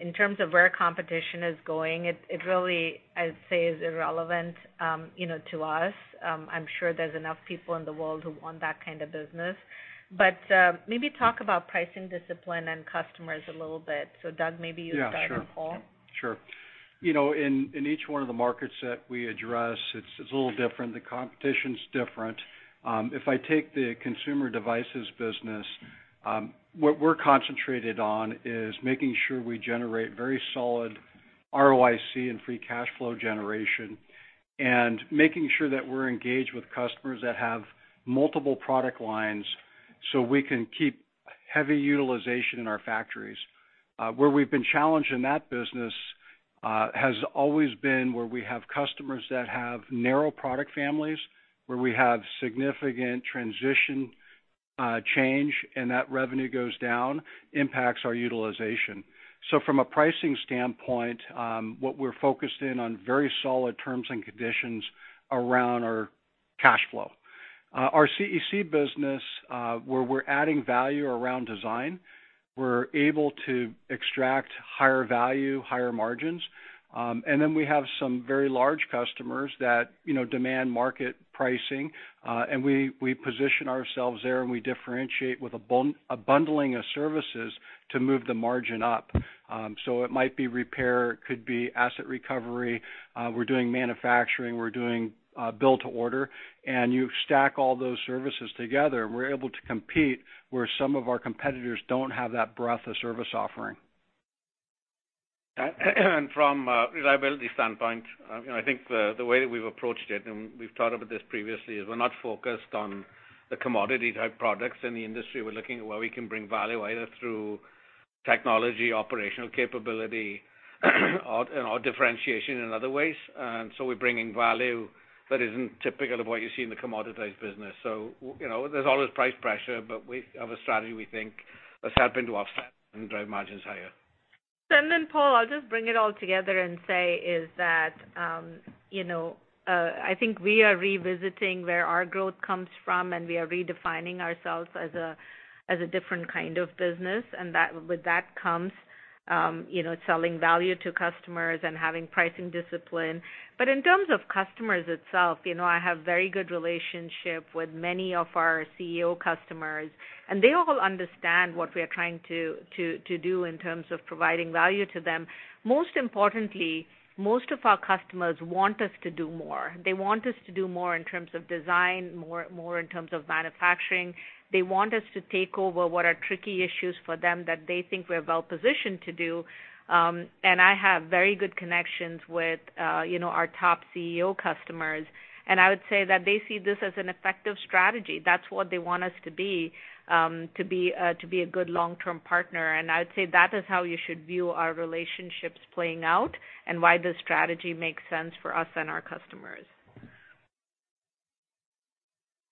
In terms of where competition is going, it really, I'd say, is irrelevant to us. I'm sure there's enough people in the world who want that kind of business. But maybe talk about pricing discipline and customers a little bit. So Doug, maybe you start with Paul. Sure. Sure. In each one of the markets that we address, it's a little different. The competition's different. If I take the Consumer Devices business, what we're concentrated on is making sure we generate very solid ROIC and free cash flow generation and making sure that we're engaged with customers that have multiple product lines so we can keep heavy utilization in our factories. Where we've been challenged in that business has always been where we have customers that have narrow product families, where we have significant transition change, and that revenue goes down, impacts our utilization. So from a pricing standpoint, what we're focused in on are very solid terms and conditions around our cash flow. Our CEC business, where we're adding value around design, we're able to extract higher value, higher margins. And then we have some very large customers that demand market pricing, and we position ourselves there and we differentiate with a bundling of services to move the margin up. So it might be repair, could be asset recovery. We're doing manufacturing. We're doing build-to-order. And you stack all those services together, and we're able to compete where some of our competitors don't have that breadth of service offering. And from a Reliability standpoint, I think the way that we've approached it, and we've talked about this previously, is we're not focused on the commodity-type products in the industry. We're looking at where we can bring value either through technology, operational capability, and our differentiation in other ways. And so we're bringing value that isn't typical of what you see in the commoditized business. So there's always price pressure, but we have a strategy we think has helped to offset and drive margins higher. And then Paul, I'll just bring it all together and say is that I think we are revisiting where our growth comes from, and we are redefining ourselves as a different kind of business. And with that comes selling value to customers and having pricing discipline. But in terms of customers itself, I have a very good relationship with many of our CEO customers, and they all understand what we are trying to do in terms of providing value to them. Most importantly, most of our customers want us to do more. They want us to do more in terms of design, more in terms of manufacturing. They want us to take over what are tricky issues for them that they think we're well-positioned to do. I have very good connections with our top CEO customers. I would say that they see this as an effective strategy. That's what they want us to be, to be a good long-term partner. I would say that is how you should view our relationships playing out and why this strategy makes sense for us and our customers.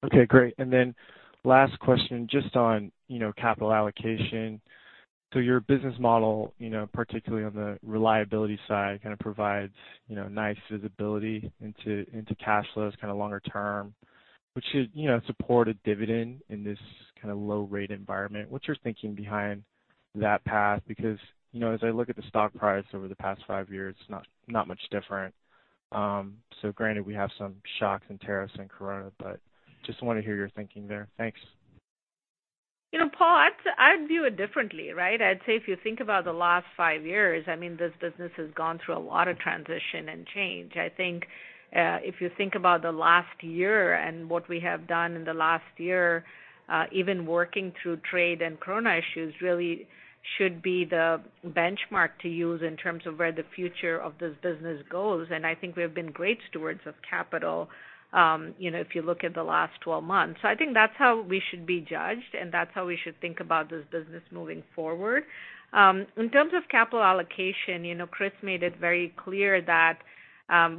Okay. Great. Last question just on capital allocation. So your business model, particularly on the Reliability side, kind of provides nice visibility into cash flows kind of longer term, which should support a dividend in this kind of low-rate environment. What's your thinking behind that path? Because as I look at the stock price over the past five years, it's not much different. So granted, we have some shocks and tremors in Corona, but just want to hear your thinking there. Thanks. Paul, I'd view it differently, right? I'd say if you think about the last five years, I mean, this business has gone through a lot of transition and change. I think if you think about the last year and what we have done in the last year, even working through trade and Corona issues really should be the benchmark to use in terms of where the future of this business goes, and I think we have been great stewards of capital if you look at the last 12 months, so I think that's how we should be judged, and that's how we should think about this business moving forward. In terms of capital allocation, Chris made it very clear that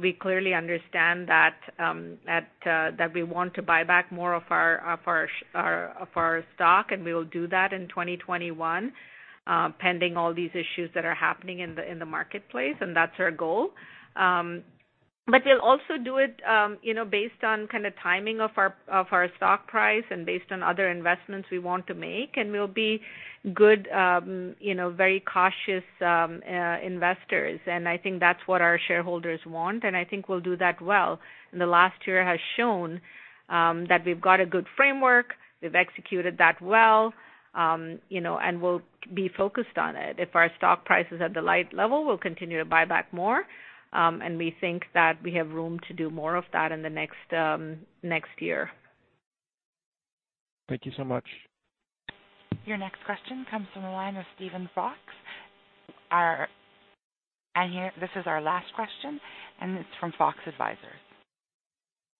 we clearly understand that we want to buy back more of our stock, and we will do that in 2021 pending all these issues that are happening in the marketplace. That's our goal. But we'll also do it based on kind of timing of our stock price and based on other investments we want to make. We'll be good, very cautious investors. I think that's what our shareholders want. I think we'll do that well. The last year has shown that we've got a good framework. We've executed that well, and we'll be focused on it. If our stock price is at the right level, we'll continue to buy back more. We think that we have room to do more of that in the next year. Thank you so much. Your next question comes from the line of Steven Fox. This is our last question, and it's from Fox Advisors.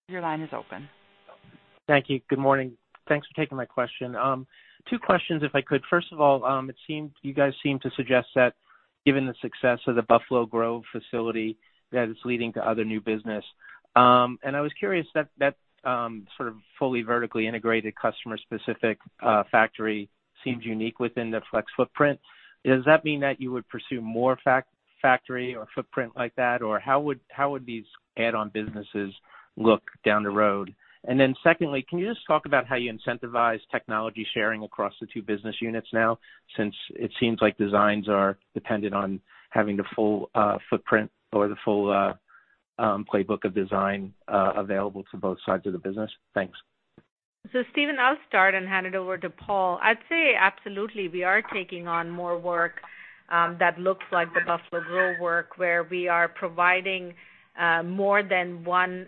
Your line is open. Thank you. Good morning. Thanks for taking my question. Two questions, if I could. First of all, you guys seem to suggest that given the success of the Buffalo Grove facility that is leading to other new business. And I was curious that that sort of fully vertically integrated customer-specific factory seems unique within the Flex footprint. Does that mean that you would pursue more factory or footprint like that? Or how would these add-on businesses look down the road? And then secondly, can you just talk about how you incentivize technology sharing across the two business units now since it seems like designs are dependent on having the full footprint or the full playbook of design available to both sides of the business? Thanks. So Steven, I'll start and hand it over to Paul. I'd say absolutely, we are taking on more work that looks like the Buffalo Grove work where we are providing more than one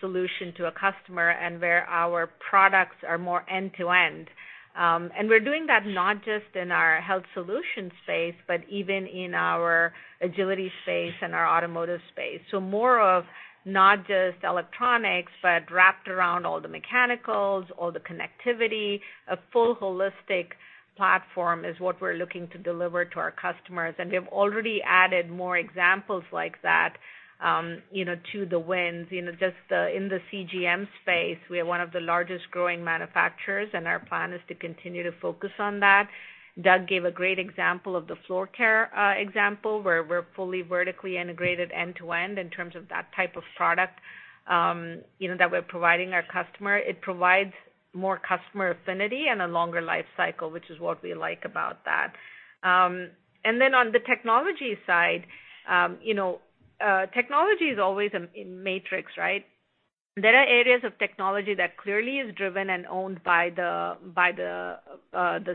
solution to a customer and where our products are more end-to-end. And we're doing that not just in our Health Solutions space, but even in our Agility space and our Automotive space. So more of not just electronics, but wrapped around all the mechanicals, all the connectivity. A full holistic platform is what we're looking to deliver to our customers. And we have already added more examples like that to the wins. Just in the CGM space, we are one of the largest growing manufacturers, and our plan is to continue to focus on that. Doug gave a great example of the floor care example where we're fully vertically integrated end-to-end in terms of that type of product that we're providing our customer. It provides more customer affinity and a longer life cycle, which is what we like about that. And then on the technology side, technology is always a matrix, right? There are areas of technology that clearly is driven and owned by the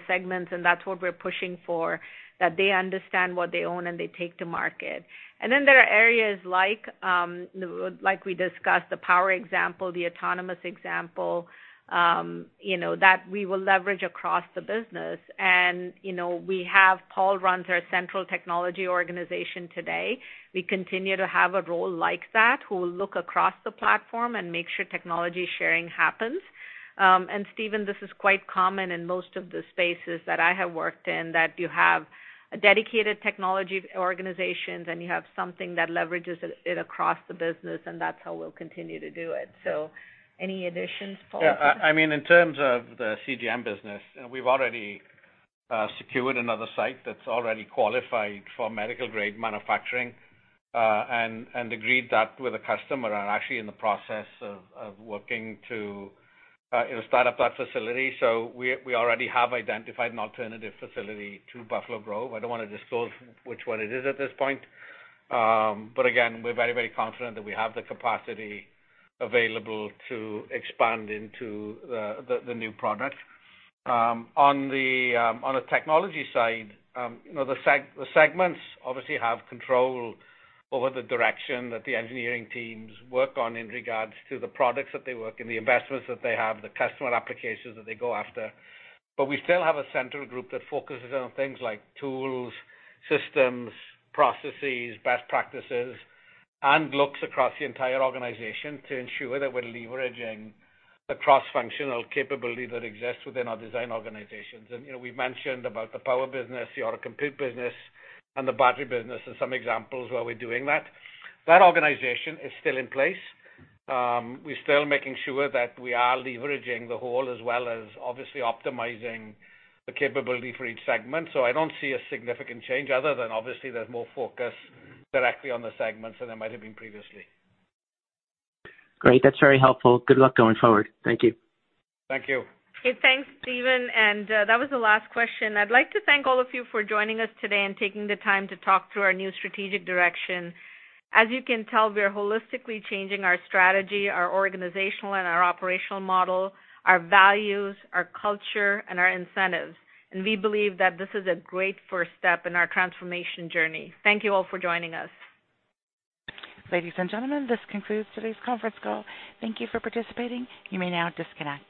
segments, and that's what we're pushing for, that they understand what they own and they take to market. And then there are areas like we discussed, the power example, the autonomous example, that we will leverage across the business. And we have Paul runs our central technology organization today. We continue to have a role like that who will look across the platform and make sure technology sharing happens. Steven, this is quite common in most of the spaces that I have worked in, that you have dedicated technology organizations and you have something that leverages it across the business, and that's how we'll continue to do it. So any additions, Paul? Yeah. I mean, in terms of the CGM business, we've already secured another site that's already qualified for medical-grade manufacturing and agreed that with a customer. I'm actually in the process of working to start up that facility. So we already have identified an alternative facility to Buffalo Grove. I don't want to disclose which one it is at this point. But again, we're very, very confident that we have the capacity available to expand into the new product. On the technology side, the segments obviously have control over the direction that the engineering teams work on in regards to the products that they work in, the investments that they have, the customer applications that they go after. But we still have a central group that focuses on things like tools, systems, processes, best practices, and looks across the entire organization to ensure that we're leveraging the cross-functional capability that exists within our design organizations. And we've mentioned about the power business, the auto compute business, and the battery business, and some examples where we're doing that. That organization is still in place. We're still making sure that we are leveraging the whole as well as obviously optimizing the capability for each segment. So I don't see a significant change other than obviously there's more focus directly on the segments than there might have been previously. Great. That's very helpful. Good luck going forward. Thank you. Thank you. And thanks, Steven. And that was the last question. I'd like to thank all of you for joining us today and taking the time to talk through our new strategic direction. As you can tell, we are holistically changing our strategy, our organizational, and our operational model, our values, our culture, and our incentives. And we believe that this is a great first step in our transformation journey. Thank you all for joining us. Ladies and gentlemen, this concludes today's conference call. Thank you for participating. You may now disconnect.